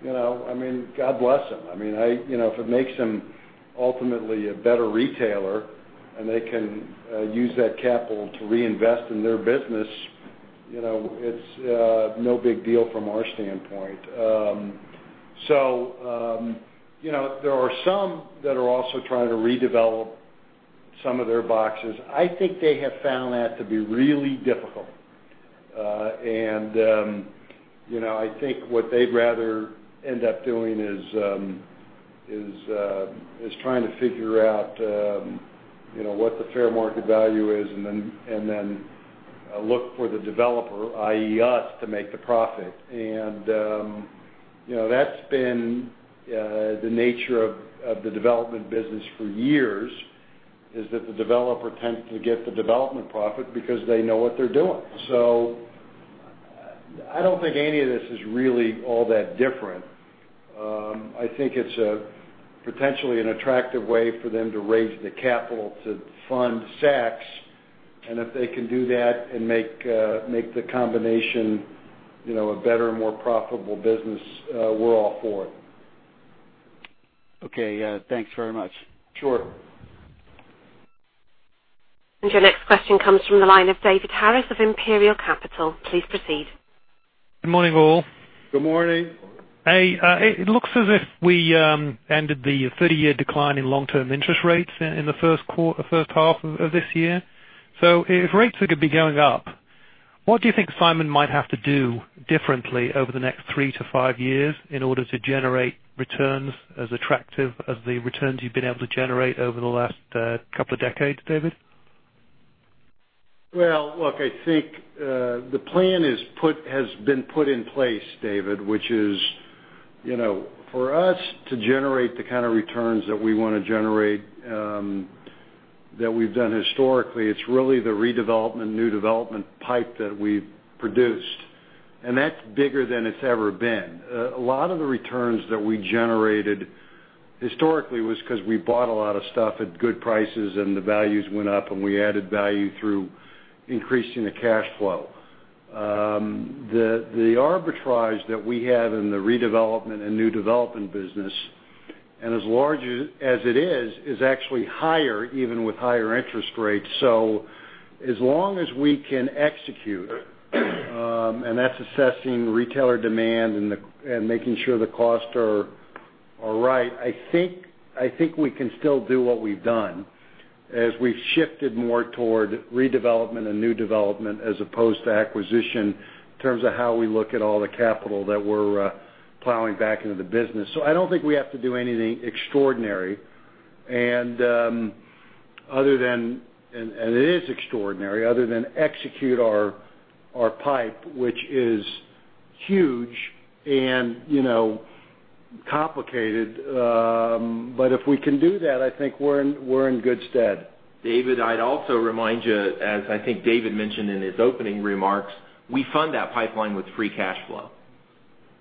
God bless them. If it makes them ultimately a better retailer and they can use that capital to reinvest in their business, it's no big deal from our standpoint. There are some that are also trying to redevelop some of their boxes. I think they have found that to be really difficult. I think what they'd rather end up doing is trying to figure out what the fair market value is and then look for the developer, i.e., us, to make the profit. That's been the nature of the development business for years, is that the developer tends to get the development profit because they know what they're doing. I don't think any of this is really all that different. I think it's potentially an attractive way for them to raise the capital to fund Saks. If they can do that and make the combination a better, more profitable business, we're all for it. Okay. Thanks very much. Sure. Your next question comes from the line of David Harris of Imperial Capital. Please proceed. Good morning, all. Good morning. Hey, it looks as if we ended the 30-year decline in long-term interest rates in the first half of this year. If rates are going to be going up, what do you think Simon might have to do differently over the next three to five years in order to generate returns as attractive as the returns you've been able to generate over the last couple of decades, David? Well, look, I think, the plan has been put in place, David, which is for us to generate the kind of returns that we want to generate, that we've done historically. It's really the redevelopment, new development pipe that we've produced, that's bigger than it's ever been. A lot of the returns that we generated historically was because we bought a lot of stuff at good prices and the values went up, we added value through increasing the cash flow. The arbitrage that we have in the redevelopment and new development business, as large as it is actually higher even with higher interest rates. As long as we can execute, that's assessing retailer demand and making sure the costs are right, I think we can still do what we've done as we've shifted more toward redevelopment and new development as opposed to acquisition in terms of how we look at all the capital that we're plowing back into the business. I don't think we have to do anything extraordinary, it is extraordinary other than execute our pipe, which is huge and complicated. If we can do that, I think we're in good stead. David, I'd also remind you, as I think David mentioned in his opening remarks, we fund that pipeline with free cash flow.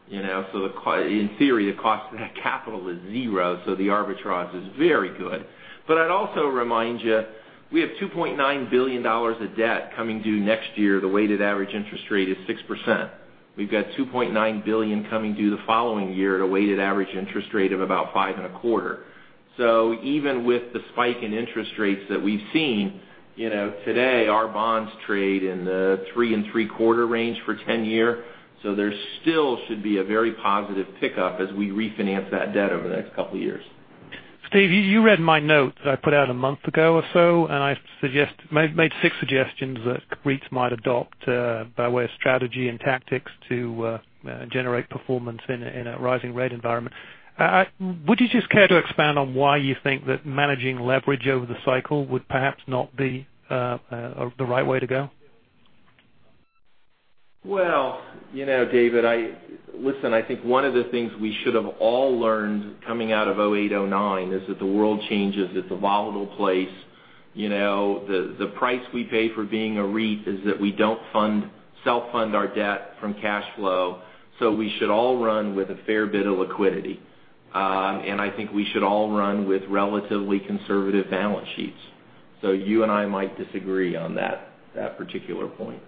In theory, the cost of that capital is zero, the arbitrage is very good. I'd also remind you, we have $2.9 billion of debt coming due next year. The weighted average interest rate is 6%. We've got $2.9 billion coming due the following year at a weighted average interest rate of about 5.25%. Even with the spike in interest rates that we've seen, today our bonds trade in the 3.75% range for 10-year. There still should be a very positive pickup as we refinance that debt over the next couple of years. Steve, you read my note that I put out a month ago or so. I made six suggestions that REITs might adopt, by way of strategy and tactics, to generate performance in a rising rate environment. Would you just care to expand on why you think that managing leverage over the cycle would perhaps not be the right way to go? Well, David, listen, I think one of the things we should have all learned coming out of 2008, 2009 is that the world changes. It's a volatile place. The price we pay for being a REIT is that we don't self-fund our debt from cash flow. We should all run with a fair bit of liquidity. I think we should all run with relatively conservative balance sheets. You and I might disagree on that particular point.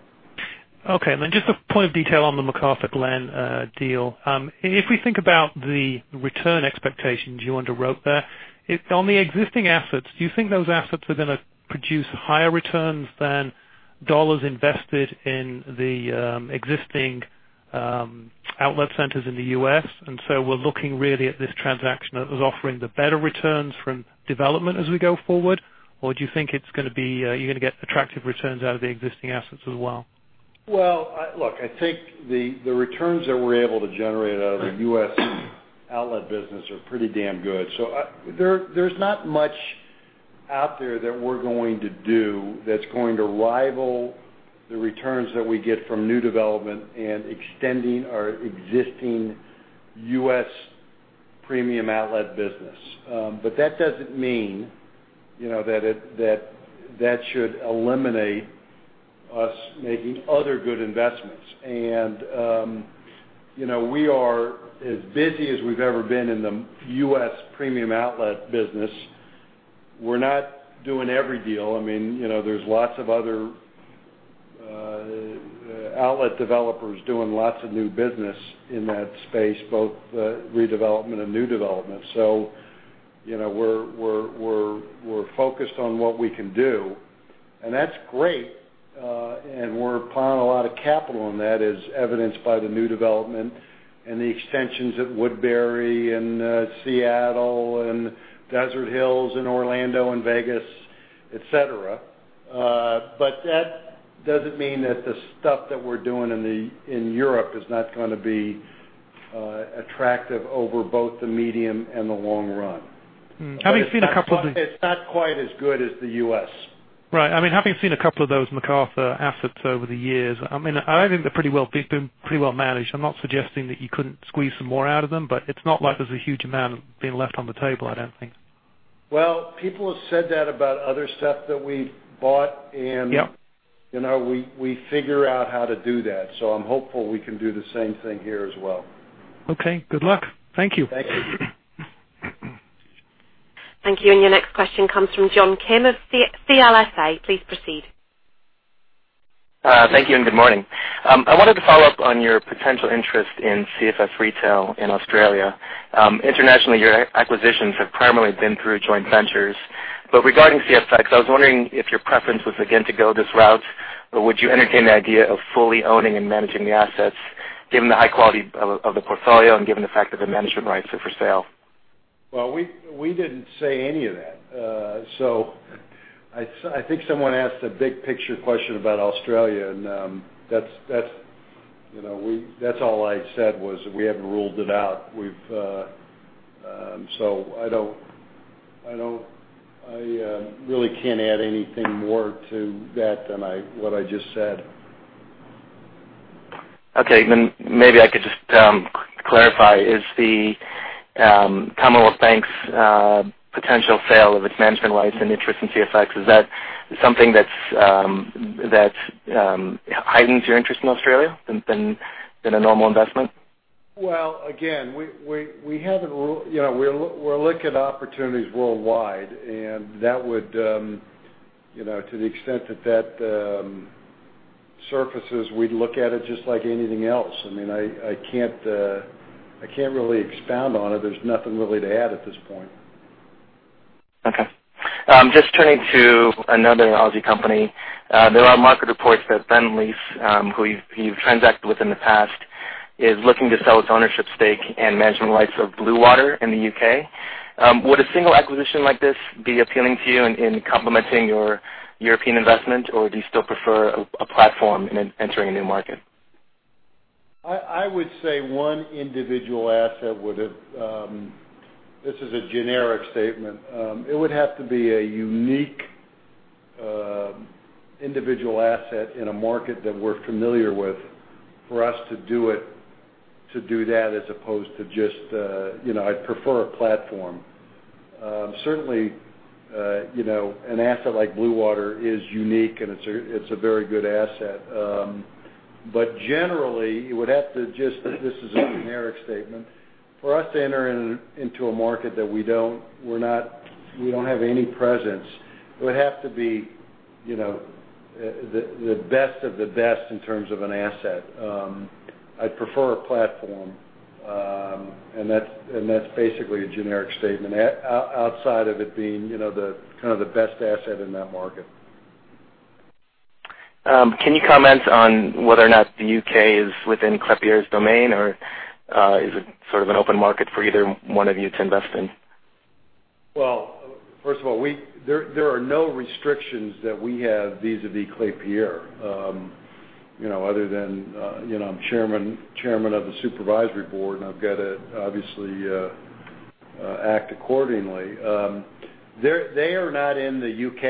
Okay. Just a point of detail on the McArthurGlen deal. If we think about the return expectations you underwrote there, on the existing assets, do you think those assets are going to produce higher returns than dollars invested in the existing outlet centers in the U.S., we're looking really at this transaction as offering the better returns from development as we go forward? Do you think you're going to get attractive returns out of the existing assets as well? Well, look, I think the returns that we're able to generate out of the U.S. outlet business are pretty damn good. There's not much out there that we're going to do that's going to rival the returns that we get from new development and extending our existing U.S. Premium Outlet business. That doesn't mean that should eliminate us making other good investments. We are as busy as we've ever been in the U.S. Premium Outlet business. We're not doing every deal. There's lots of other outlet developers doing lots of new business in that space, both redevelopment and new development. We're focused on what we can do, and that's great. We're piling a lot of capital on that, as evidenced by the new development and the extensions at Woodbury and Seattle and Desert Hills and Orlando and Vegas, et cetera. That doesn't mean that the stuff that we're doing in Europe is not going to be attractive over both the medium and the long run. Having seen a couple of- It's not quite as good as the U.S. Right. Having seen a couple of those McArthur assets over the years, I think they've been pretty well managed. I'm not suggesting that you couldn't squeeze some more out of them, but it's not like there's a huge amount being left on the table, I don't think. Well, people have said that about other stuff that we've bought. Yep we figure out how to do that. I'm hopeful we can do the same thing here as well. Okay. Good luck. Thank you. Thank you. Thank you. Your next question comes from John Kim of CLSA. Please proceed. Thank you and good morning. I wanted to follow up on your potential interest in CFS Retail in Australia. Internationally, your acquisitions have primarily been through joint ventures. Regarding CFS, I was wondering if your preference was again to go this route, or would you entertain the idea of fully owning and managing the assets, given the high quality of the portfolio and given the fact that the management rights are for sale? Well, we didn't say any of that. I think someone asked a big picture question about Australia, that's all I said was that we haven't ruled it out. I really can't add anything more to that than what I just said. Okay, maybe I could just clarify. Is the Commonwealth Bank's potential sale of its management rights and interest in CFX, is that something that heightens your interest in Australia than a normal investment? Well, again, we're looking at opportunities worldwide, and that would, to the extent that surfaces, we'd look at it just like anything else. I can't really expound on it. There's nothing really to add at this point. Okay. Just turning to another Aussie company. There are market reports that Lend Lease, who you've transacted with in the past, is looking to sell its ownership stake and management rights of Bluewater in the U.K. Would a single acquisition like this be appealing to you in complementing your European investment, or do you still prefer a platform in entering a new market? I would say This is a generic statement. It would have to be a unique individual asset in a market that we're familiar with for us to do that as opposed to just, I'd prefer a platform. Certainly, an asset like Bluewater is unique, and it's a very good asset. Generally, it would have to just, this is a generic statement. For us to enter into a market that we don't have any presence, it would have to be the best of the best in terms of an asset. I'd prefer a platform, and that's basically a generic statement. Outside of it being kind of the best asset in that market. Can you comment on whether or not the U.K. is within Klépierre's domain, or is it sort of an open market for either one of you to invest in? Well, first of all, there are no restrictions that we have vis-à-vis Klépierre. Other than, I'm chairman of the supervisory board, and I've got to obviously act accordingly. They are not in the U.K.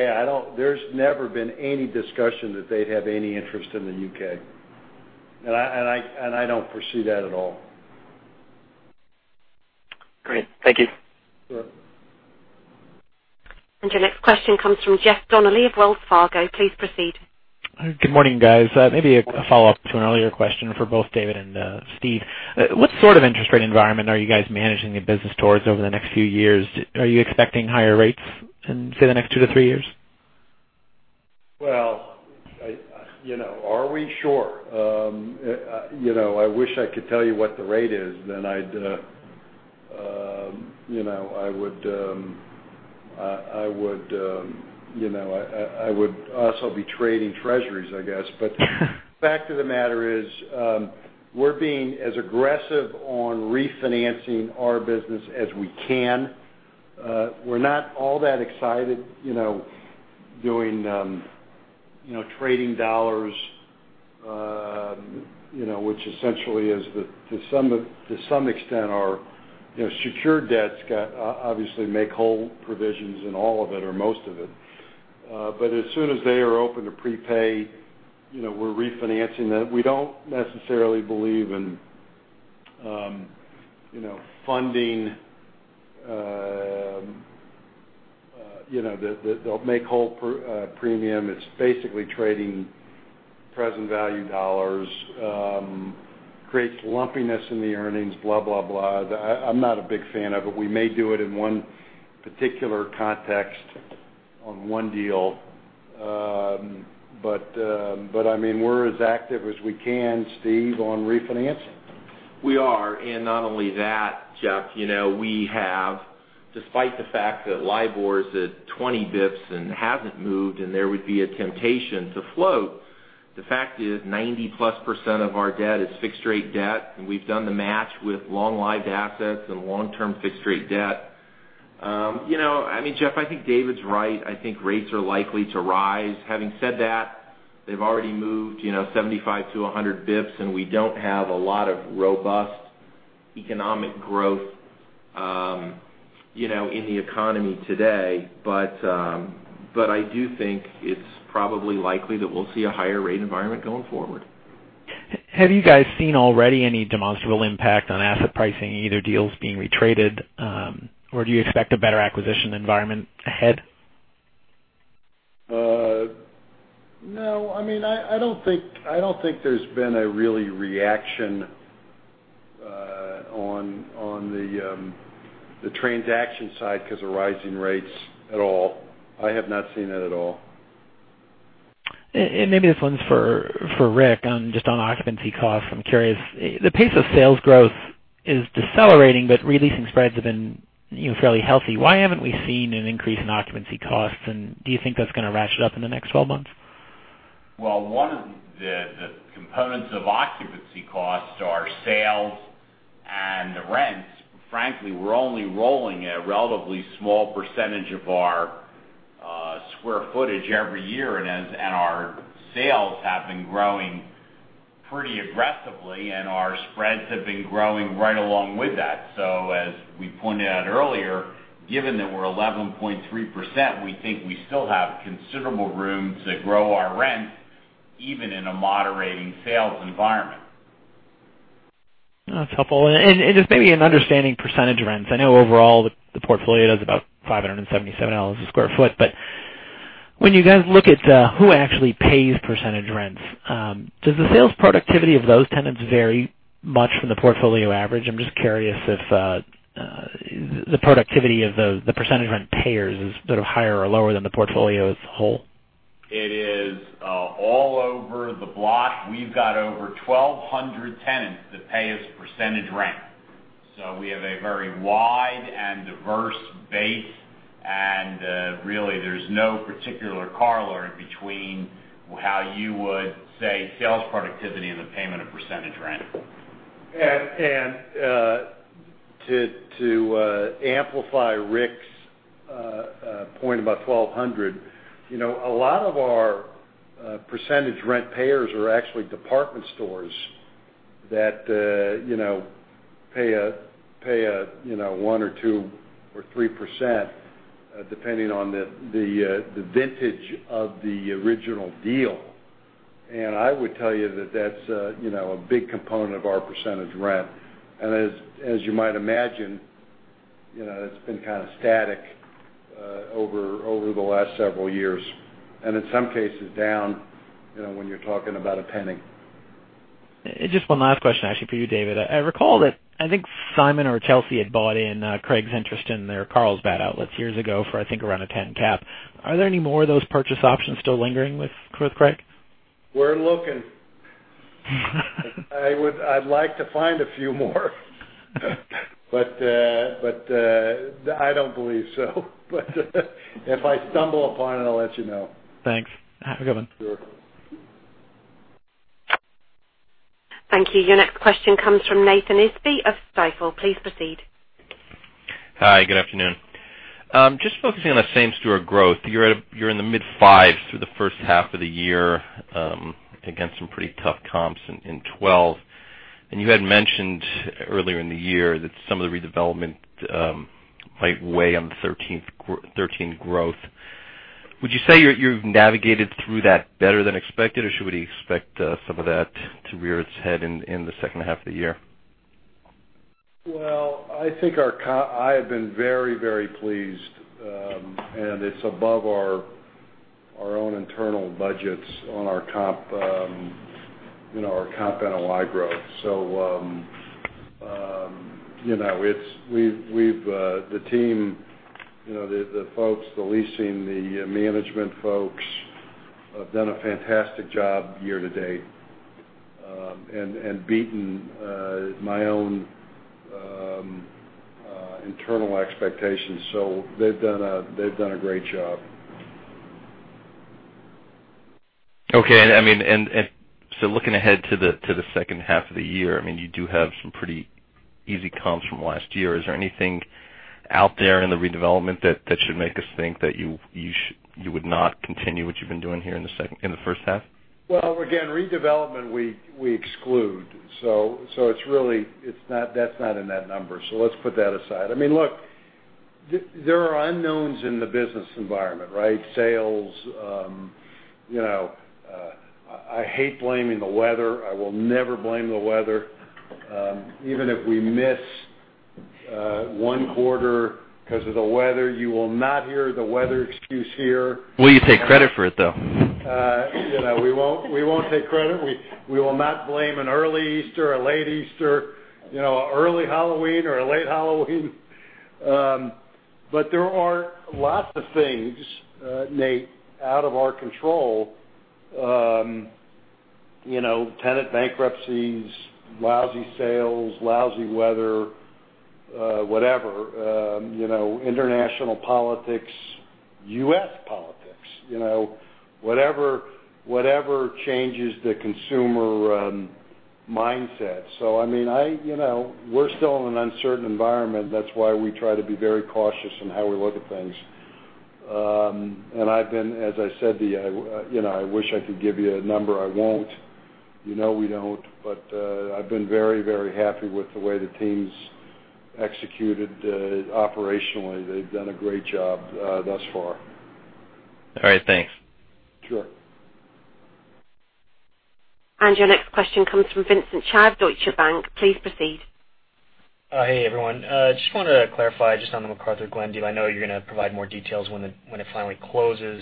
There's never been any discussion that they'd have any interest in the U.K. I don't foresee that at all. Great. Thank you. Sure. Your next question comes from Jeff Donnelly of Wells Fargo. Please proceed. Good morning, guys. Maybe a follow-up to an earlier question for both David and Steve. What sort of interest rate environment are you guys managing the business towards over the next few years? Are you expecting higher rates in, say, the next two to three years? Well, are we sure? I wish I could tell you what the rate is, then I would also be trading treasuries, I guess. Fact of the matter is, we're being as aggressive on refinancing our business as we can. We're not all that excited doing trading dollars, which essentially is, to some extent, our secured debts, obviously make whole provisions in all of it or most of it. As soon as they are open to prepay, we're refinancing that. We don't necessarily believe in funding the make whole premium. It's basically trading present value dollars, creates lumpiness in the earnings, blah, blah. I'm not a big fan of it. We may do it in one particular context on one deal. We're as active as we can, Steve, on refinancing. We are. Not only that, Jeff, we have, despite the fact that LIBOR is at 20 basis points and hasn't moved and there would be a temptation to float, the fact is 90%-plus of our debt is fixed rate debt, and we've done the match with long-lived assets and long-term fixed rate debt. Jeff, I think David's right. I think rates are likely to rise. Having said that, they've already moved 75 to 100 basis points, and we don't have a lot of robust economic growth in the economy today. I do think it's probably likely that we'll see a higher rate environment going forward. Have you guys seen already any demonstrable impact on asset pricing, either deals being retraded, or do you expect a better acquisition environment ahead? No. I don't think there's been a real reaction on the transaction side because of rising rates at all. I have not seen that at all. Maybe this one's for Rick, just on occupancy costs. I'm curious. The pace of sales growth is decelerating, releasing spreads have been fairly healthy. Why haven't we seen an increase in occupancy costs, and do you think that's going to ratchet up in the next 12 months? Well, one of the components of occupancy costs are sales and rents. Frankly, we're only rolling a relatively small percentage of our square footage every year. Our sales have been growing pretty aggressively, and our spreads have been growing right along with that. As we pointed out earlier, given that we're 11.3%, we think we still have considerable room to grow our rents, even in a moderating sales environment. That's helpful. Just maybe in understanding percentage rents. I know overall, the portfolio does about $577 a square foot. When you guys look at who actually pays percentage rents, does the sales productivity of those tenants vary much from the portfolio average? I'm just curious if the productivity of the percentage rent payers is sort of higher or lower than the portfolio as a whole. It is all over the block. We've got over 1,200 tenants that pay us percentage rent. We have a very wide and diverse base, and really, there's no particular corollary between how you would say sales productivity and the payment of percentage rent. To amplify Rick's point about 1,200, a lot of our percentage rent payers are actually department stores that pay 1% or 2% or 3%, depending on the vintage of the original deal. I would tell you that that's a big component of our percentage rent. As you might imagine, it's been kind of static over the last several years, and in some cases down, when you're talking about $0.01. Just one last question, actually, for you, David. I recall that I think Simon or Chelsea had bought in Craig's interest in their Carlsbad outlets years ago for, I think, around a 10 cap. Are there any more of those purchase options still lingering with Craig? We're looking. I'd like to find a few more, I don't believe so. If I stumble upon it, I'll let you know. Thanks. Have a good one. Sure. Thank you. Your next question comes from Nathan Isbee of Stifel. Please proceed. Hi, good afternoon. Just focusing on the same store growth. You're in the mid-fives through the first half of the year, against some pretty tough comps in 2012. You had mentioned earlier in the year that some of the redevelopment might weigh on the 2013 growth. Would you say you've navigated through that better than expected, or should we expect some of that to rear its head in the second half of the year? Well, I have been very, very pleased. It's above our own internal budgets on our comp NOI growth. The team, the folks, the leasing, the management folks, have done a fantastic job year to date, and beaten my own internal expectations. They've done a great job. Okay. Looking ahead to the second half of the year, you do have some pretty easy comps from last year. Is there anything out there in the redevelopment that should make us think that you would not continue what you've been doing here in the first half? Again, redevelopment, we exclude. That's not in that number. Let's put that aside. Look, there are unknowns in the business environment, right? Sales. I hate blaming the weather. I will never blame the weather. Even if we miss one quarter because of the weather, you will not hear the weather excuse here. Will you take credit for it, though? We won't take credit. We will not blame an early Easter, a late Easter, early Halloween, or a late Halloween. There are lots of things, Nate, out of our control. Tenant bankruptcies, lousy sales, lousy weather, whatever, international politics, U.S. politics. Whatever changes the consumer mindset. We're still in an uncertain environment. That's why we try to be very cautious in how we look at things. I've been, as I said to you, I wish I could give you a number. I won't. You know we don't, but I've been very happy with the way the team's executed, operationally. They've done a great job thus far. All right. Thanks. Sure. Your next question comes from Vincent Chao, Deutsche Bank. Please proceed. Hey, everyone. Just wanted to clarify just on the McArthurGlen deal. I know you're going to provide more details when it finally closes.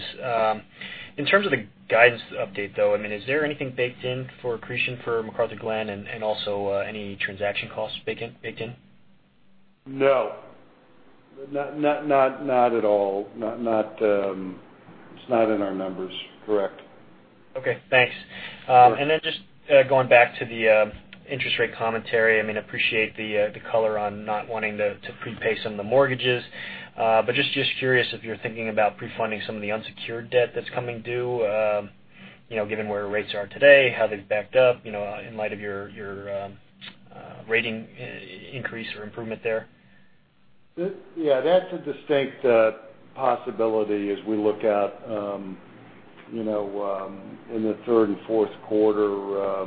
In terms of the guidance update, though, is there anything baked in for accretion for McArthurGlen, and also, any transaction costs baked in? No, not at all. It's not in our numbers. Correct. Okay, thanks. Sure. Just going back to the interest rate commentary, appreciate the color on not wanting to prepay some of the mortgages. Just curious if you're thinking about pre-funding some of the unsecured debt that's coming due, given where rates are today, how they've backed up, in light of your rating increase or improvement there. Yeah, that's a distinct possibility as we look out in the third and fourth quarter.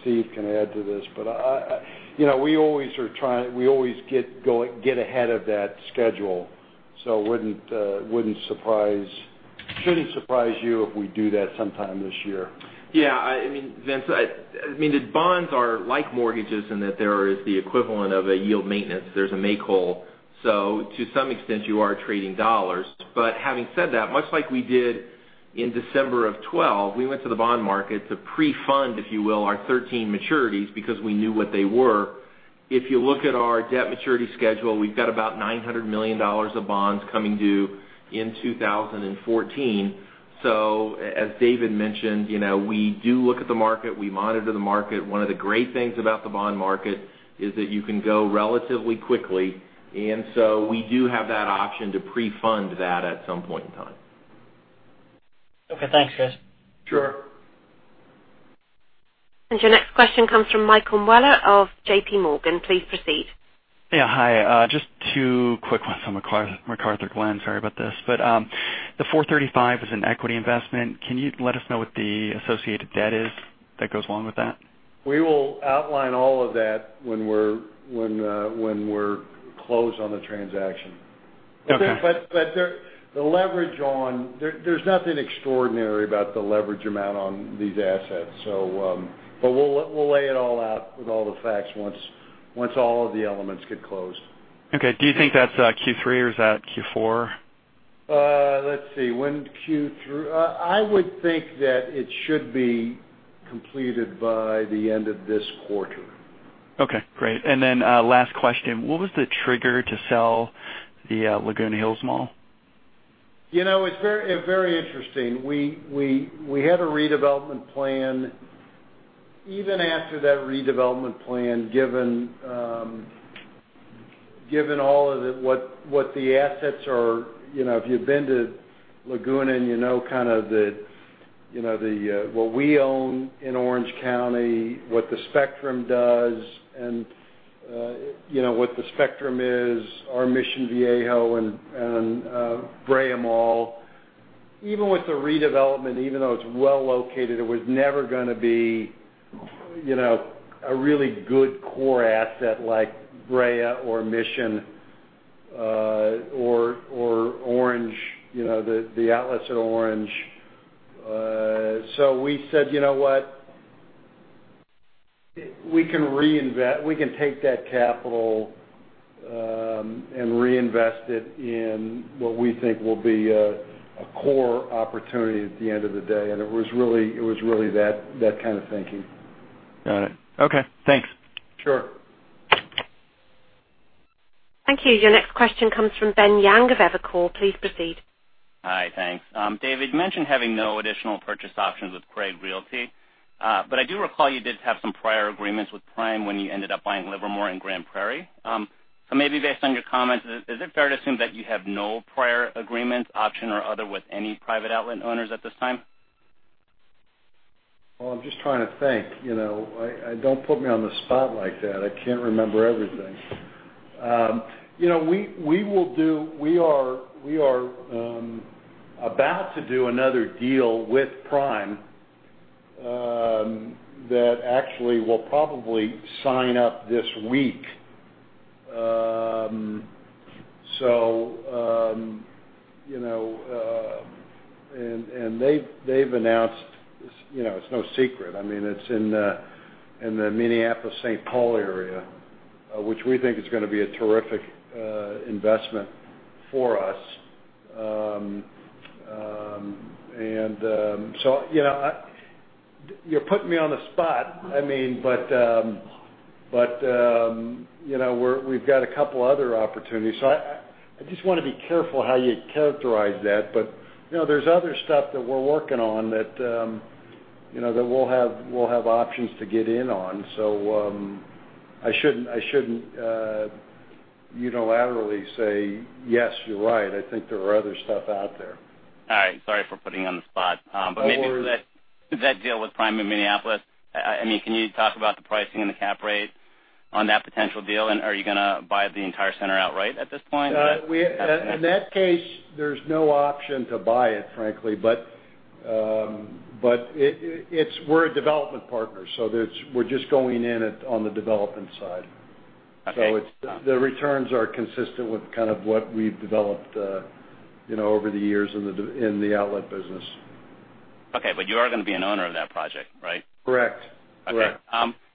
Steve can add to this, but we always get ahead of that schedule, so shouldn't surprise you if we do that sometime this year. Yeah, Vince, the bonds are like mortgages in that there is the equivalent of a yield maintenance. There's a make whole. To some extent, you are trading dollars. Having said that, much like we did in December of 2012, we went to the bond market to pre-fund, if you will, our 2013 maturities because we knew what they were. If you look at our debt maturity schedule, we've got about $900 million of bonds coming due in 2014. As David mentioned, we do look at the market, we monitor the market. One of the great things about the bond market is that you can go relatively quickly. We do have that option to pre-fund that at some point in time. Okay. Thanks, guys. Sure. Your next question comes from Michael Mueller of JPMorgan. Please proceed. Yeah. Hi. Just two quick ones on McArthurGlen. Sorry about this. The $435 is an equity investment. Can you let us know what the associated debt is that goes along with that? We will outline all of that when we're closed on the transaction. Okay. There's nothing extraordinary about the leverage amount on these assets. We'll lay it all out with all the facts once all of the elements get closed. Okay. Do you think that's Q3 or is that Q4? Let's see. I would think that it should be completed by the end of this quarter. Okay, great. Then, last question. What was the trigger to sell the Laguna Hills Mall? It's very interesting. We had a redevelopment plan. Even after that redevelopment plan, given all of what the assets are, if you've been to Laguna and you know what we own in Orange County, what the spectrum does, and what the spectrum is, our Mission Viejo and Brea Mall. Even with the redevelopment, even though it's well located, it was never going to be a really good core asset like Brea or Mission, or The Outlets at Orange. We said, you know what? We can take that capital, reinvest it in what we think will be a core opportunity at the end of the day. It was really that kind of thinking. Got it. Okay, thanks. Sure. Thank you. Your next question comes from Ben Yang of Evercore. Please proceed. Hi, thanks. Dave, you mentioned having no additional purchase options with Craig Realty, but I do recall you did have some prior agreements with Prime when you ended up buying Livermore and Grand Prairie. Maybe based on your comments, is it fair to assume that you have no prior agreements, option or other, with any private outlet owners at this time? Well, I'm just trying to think. Don't put me on the spot like that. I can't remember everything. We are about to do another deal with Prime that actually we'll probably sign up this week. They've announced, it's no secret, it's in the Minneapolis-St. Paul area, which we think is going to be a terrific investment for us. You're putting me on the spot, we've got a couple other opportunities. I just want to be careful how you characterize that. There's other stuff that we're working on that we'll have options to get in on. I shouldn't unilaterally say, yes, you're right. I think there are other stuff out there. All right. Sorry for putting you on the spot. No worries. Maybe for that deal with Prime in Minneapolis, can you talk about the pricing and the cap rate on that potential deal? Are you going to buy the entire center outright at this point? In that case, there's no option to buy it, frankly. We're a development partner, so we're just going in it on the development side. Okay. The returns are consistent with kind of what we've developed over the years in the outlet business. Okay, you are going to be an owner of that project, right? Correct. Okay.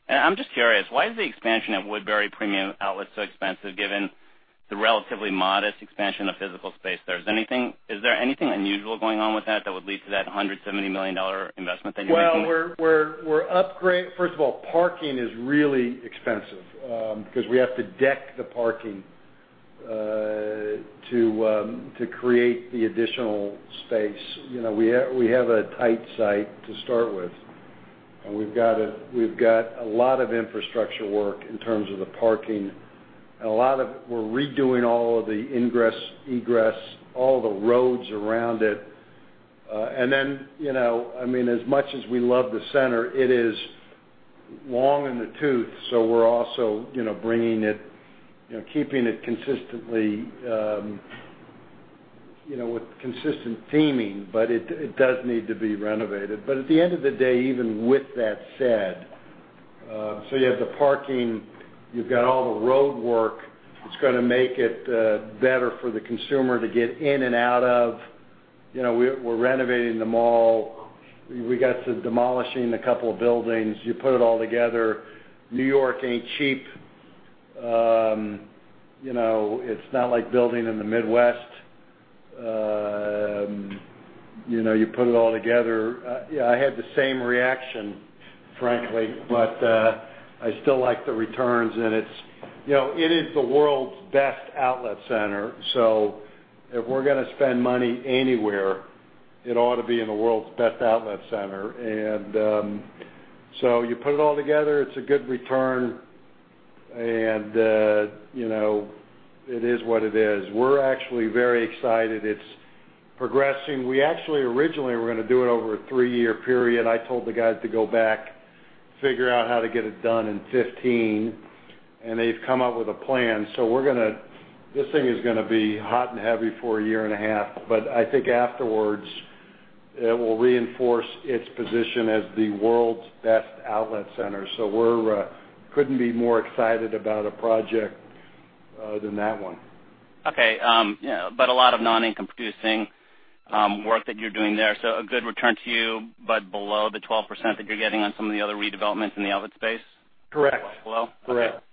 I'm just curious, why is the expansion at Woodbury Premium Outlets so expensive, given the relatively modest expansion of physical space there? Is there anything unusual going on with that would lead to that $170 million investment that you're making? First of all, parking is really expensive because we have to deck the parking to create the additional space. We have a tight site to start with, and we've got a lot of infrastructure work in terms of the parking, and a lot of it, we're redoing all of the ingress, egress, all the roads around it. Then, as much as we love the center, it is long in the tooth, so we're also keeping it with consistent theming. It does need to be renovated. At the end of the day, even with that said, you have the parking, you've got all the roadwork that's going to make it better for the consumer to get in and out of. We're renovating the mall. We got to demolishing a couple of buildings. You put it all together, New York ain't cheap. It's not like building in the Midwest. You put it all together, I had the same reaction, frankly. I still like the returns, and it is the world's best outlet center. If we're going to spend money anywhere, it ought to be in the world's best outlet center. You put it all together, it's a good return, and it is what it is. We're actually very excited. It's progressing. We actually originally were going to do it over a 3-year period. I told the guys to go back, figure out how to get it done in 15, and they've come up with a plan. This thing is going to be hot and heavy for a year and a half, but I think afterwards, it will reinforce its position as the world's best outlet center. We couldn't be more excited about a project other than that one. Okay. A lot of non-income producing work that you're doing there. A good return to you, but below the 12% that you're getting on some of the other redevelopments in the outlet space? Correct. Below? Okay. Correct.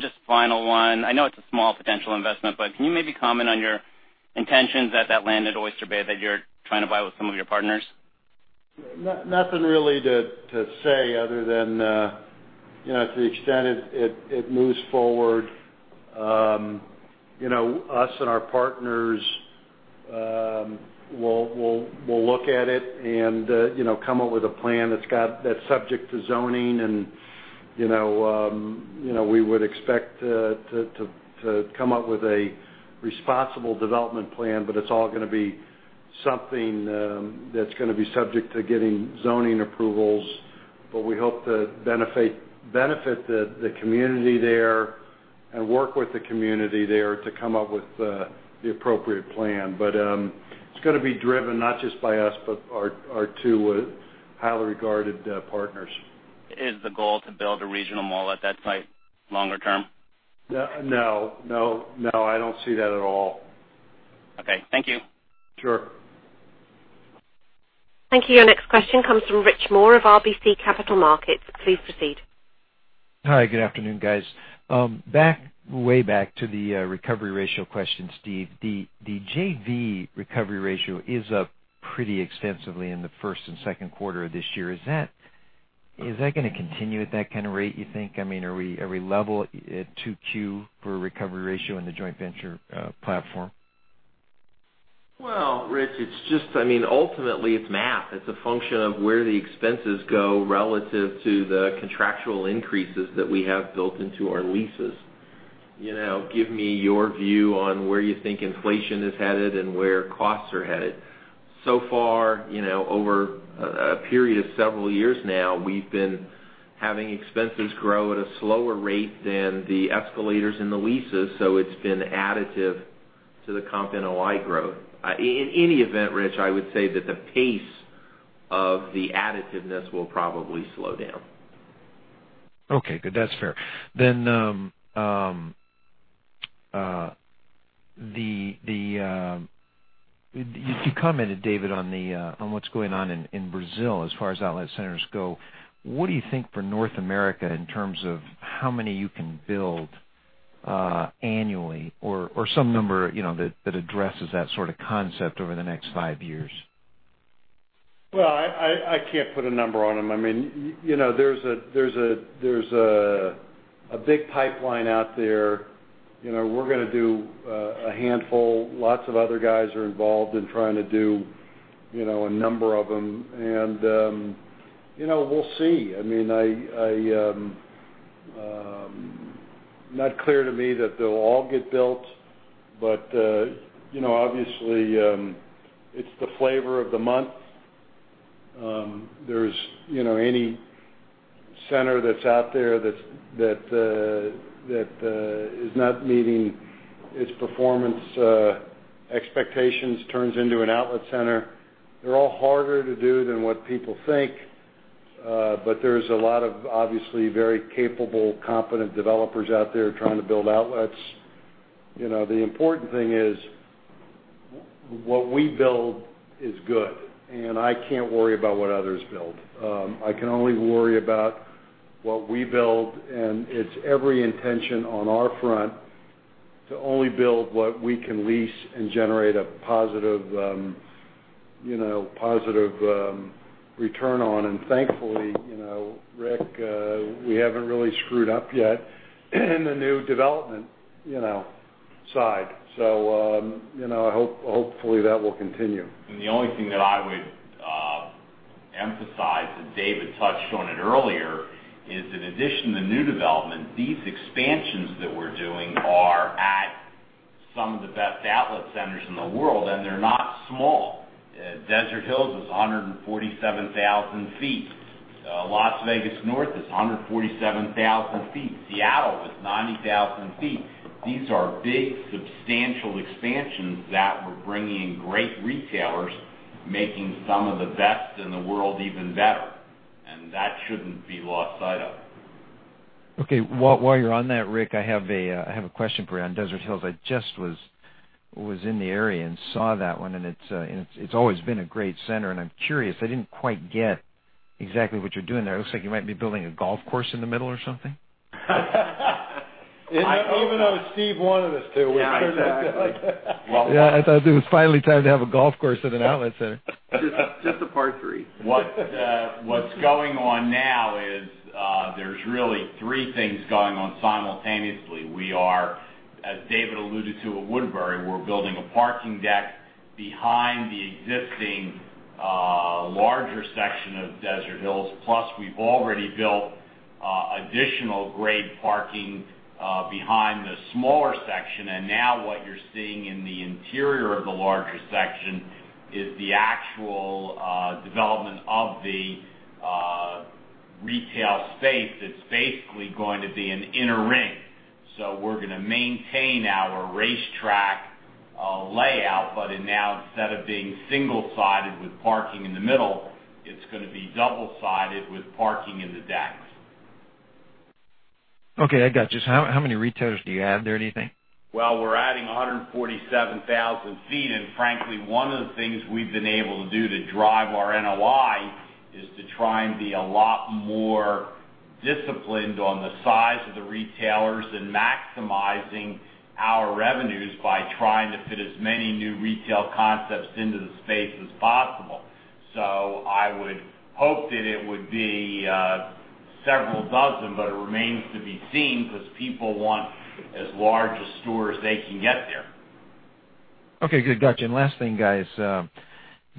Just final one. I know it's a small potential investment, but can you maybe comment on your intentions at that land at Oyster Bay that you're trying to buy with some of your partners? Nothing really to say other than, to the extent it moves forward, us and our partners will look at it and come up with a plan that's subject to zoning. We would expect to come up with a responsible development plan, it's all going to be something that's going to be subject to getting zoning approvals. We hope to benefit the community there and work with the community there to come up with the appropriate plan. It's going to be driven not just by us, but our two highly regarded partners. Is the goal to build a regional mall at that site longer term? No, I don't see that at all. Okay. Thank you. Sure. Thank you. Your next question comes from Rich Moore of RBC Capital Markets. Please proceed. Hi. Good afternoon, guys. Way back to the recovery ratio question, Steve. The JV recovery ratio is up pretty extensively in the first and second quarter of this year. Is that going to continue at that kind of rate, you think? Are we level at 2Q for recovery ratio in the joint venture platform? Well, Rich, ultimately, it's math. It's a function of where the expenses go relative to the contractual increases that we have built into our leases. Give me your view on where you think inflation is headed and where costs are headed. So far, over a period of several years now, we've been having expenses grow at a slower rate than the escalators and the leases, so it's been additive to the comp NOI growth. In any event, Rich, I would say that the pace of the additiveness will probably slow down. Okay, good. That's fair. You commented, David, on what's going on in Brazil as far as outlet centers go. What do you think for North America in terms of how many you can build annually or some number that addresses that sort of concept over the next five years? Well, I can't put a number on them. There's a big pipeline out there. We're going to do a handful. Lots of other guys are involved in trying to do a number of them, and we'll see. Not clear to me that they'll all get built, but obviously, it's the flavor of the month. Any center that's out there that is not meeting its performance expectations turns into an outlet center. They're all harder to do than what people think. There's a lot of obviously very capable, competent developers out there trying to build outlets. The important thing is what we build is good, and I can't worry about what others build. I can only worry about what we build, and it's every intention on our front to only build what we can lease and generate a positive return on. Thankfully, Rick, we haven't really screwed up yet in the new development side. Hopefully, that will continue. The only thing that I would emphasize, and David touched on it earlier, is in addition to new development, these expansions that we're doing are at some of the best outlet centers in the world, and they're not small. Desert Hills is 147,000 feet. Las Vegas North is 147,000 feet. Seattle is 90,000 feet. These are big, substantial expansions that we're bringing great retailers, making some of the best in the world even better, and that shouldn't be lost sight of. Okay. While you're on that, Rick, I have a question for you on Desert Hills. I just was in the area and saw that one, and it's always been a great center, and I'm curious, I didn't quite get exactly what you're doing there. It looks like you might be building a golf course in the middle or something? Even though Steve wanted us to. Yeah, exactly. Yeah, I thought it was finally time to have a golf course at an outlet center. Just a par three. What's going on now is there's really three things going on simultaneously. We are, as David alluded to at Woodbury, we're building a parking deck behind the existing larger section of Desert Hills, plus we've already built additional grade parking behind the smaller section. Now what you're seeing in the interior of the larger section is the actual development of the retail space that's basically going to be an inner ring. We're going to maintain our racetrack layout, but now instead of being single-sided with parking in the middle, it's going to be double-sided with parking in the decks. Okay, I got you. How many retailers do you add there, do you think? Well, we're adding 147,000 feet, and frankly, one of the things we've been able to do to drive our NOI is to try and be a lot more disciplined on the size of the retailers and maximizing our revenues by trying to fit as many new retail concepts into the space as possible. I would hope that it would be several dozen, but it remains to be seen because people want as large a store as they can get there. Okay, good. Got you. Last thing, guys, do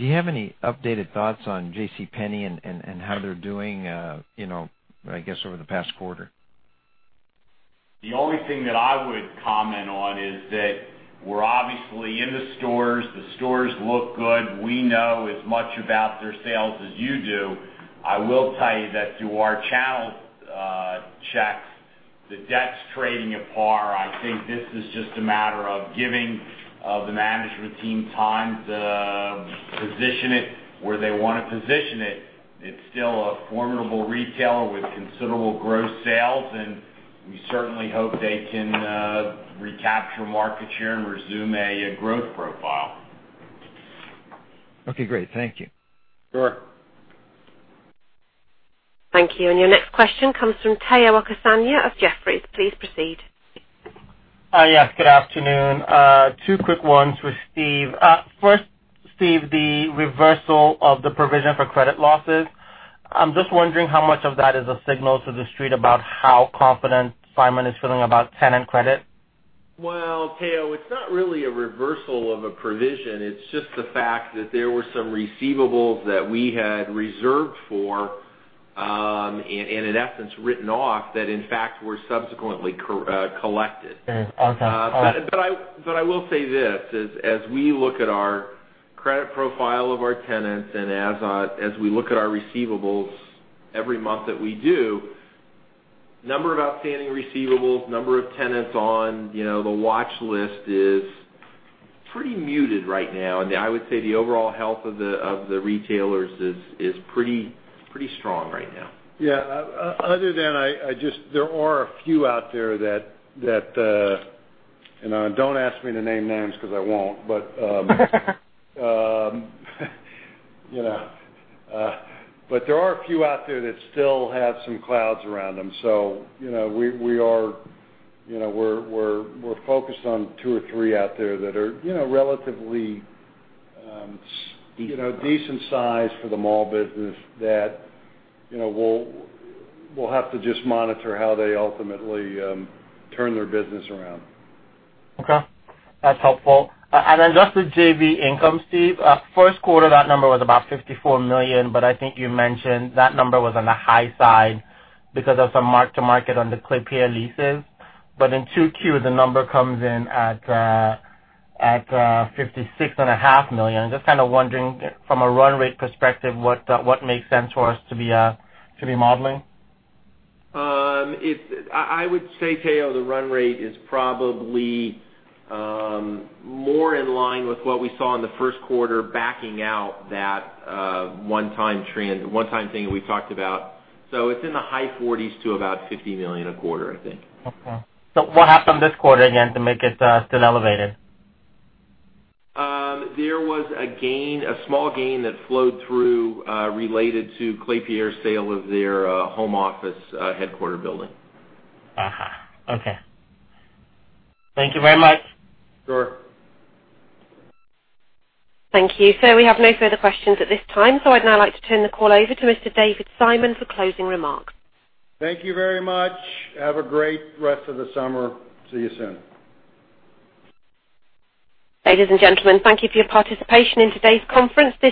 you have any updated thoughts on JCPenney and how they're doing, I guess, over the past quarter? The only thing that I would comment on is that we're obviously in the stores. The stores look good. We know as much about their sales as you do. I will tell you that through our channel checks, the debt's trading at par. I think this is just a matter of giving the management team time to position it where they want to position it. It's still a formidable retailer with considerable gross sales, and we certainly hope they can recapture market share and resume a growth profile. Okay, great. Thank you. Sure. Thank you. Your next question comes from Omotayo Okusanya of Jefferies. Please proceed. Hi. Yes, good afternoon. Two quick ones with Steve. First, Steve, the reversal of the provision for credit losses. I'm just wondering how much of that is a signal to The Street about how confident Simon is feeling about tenant credit. Tayo, it's not really a reversal of a provision. It's just the fact that there were some receivables that we had reserved for, and in essence, written off that in fact were subsequently collected. Okay. I will say this, as we look at our credit profile of our tenants and as we look at our receivables every month that we do, number of outstanding receivables, number of tenants on the watch list is pretty muted right now. I would say the overall health of the retailers is pretty strong right now. Yeah. Other than, there are a few out there that Don't ask me to name names, because I won't. There are a few out there that still have some clouds around them. We're focused on two or three out there. Decent decent size for the mall business that we'll have to just monitor how they ultimately turn their business around. Okay. That's helpful. Just the JV income, Steve. First quarter, that number was about $54 million, I think you mentioned that number was on the high side because of some mark to market on the Klépierre leases. In 2Q, the number comes in at $56.5 million. Just kind of wondering from a run rate perspective, what makes sense for us to be modeling? I would say, Tayo, the run rate is probably more in line with what we saw in the first quarter, backing out that one-time thing that we talked about. It's in the high forties to about $50 million a quarter, I think. Okay. What happened this quarter again to make it still elevated? There was a small gain that flowed through, related to Klépierre's sale of their home office headquarter building. Okay. Thank you very much. Sure. Thank you. We have no further questions at this time. I'd now like to turn the call over to Mr. David Simon for closing remarks. Thank you very much. Have a great rest of the summer. See you soon. Ladies and gentlemen, thank you for your participation in today's conference.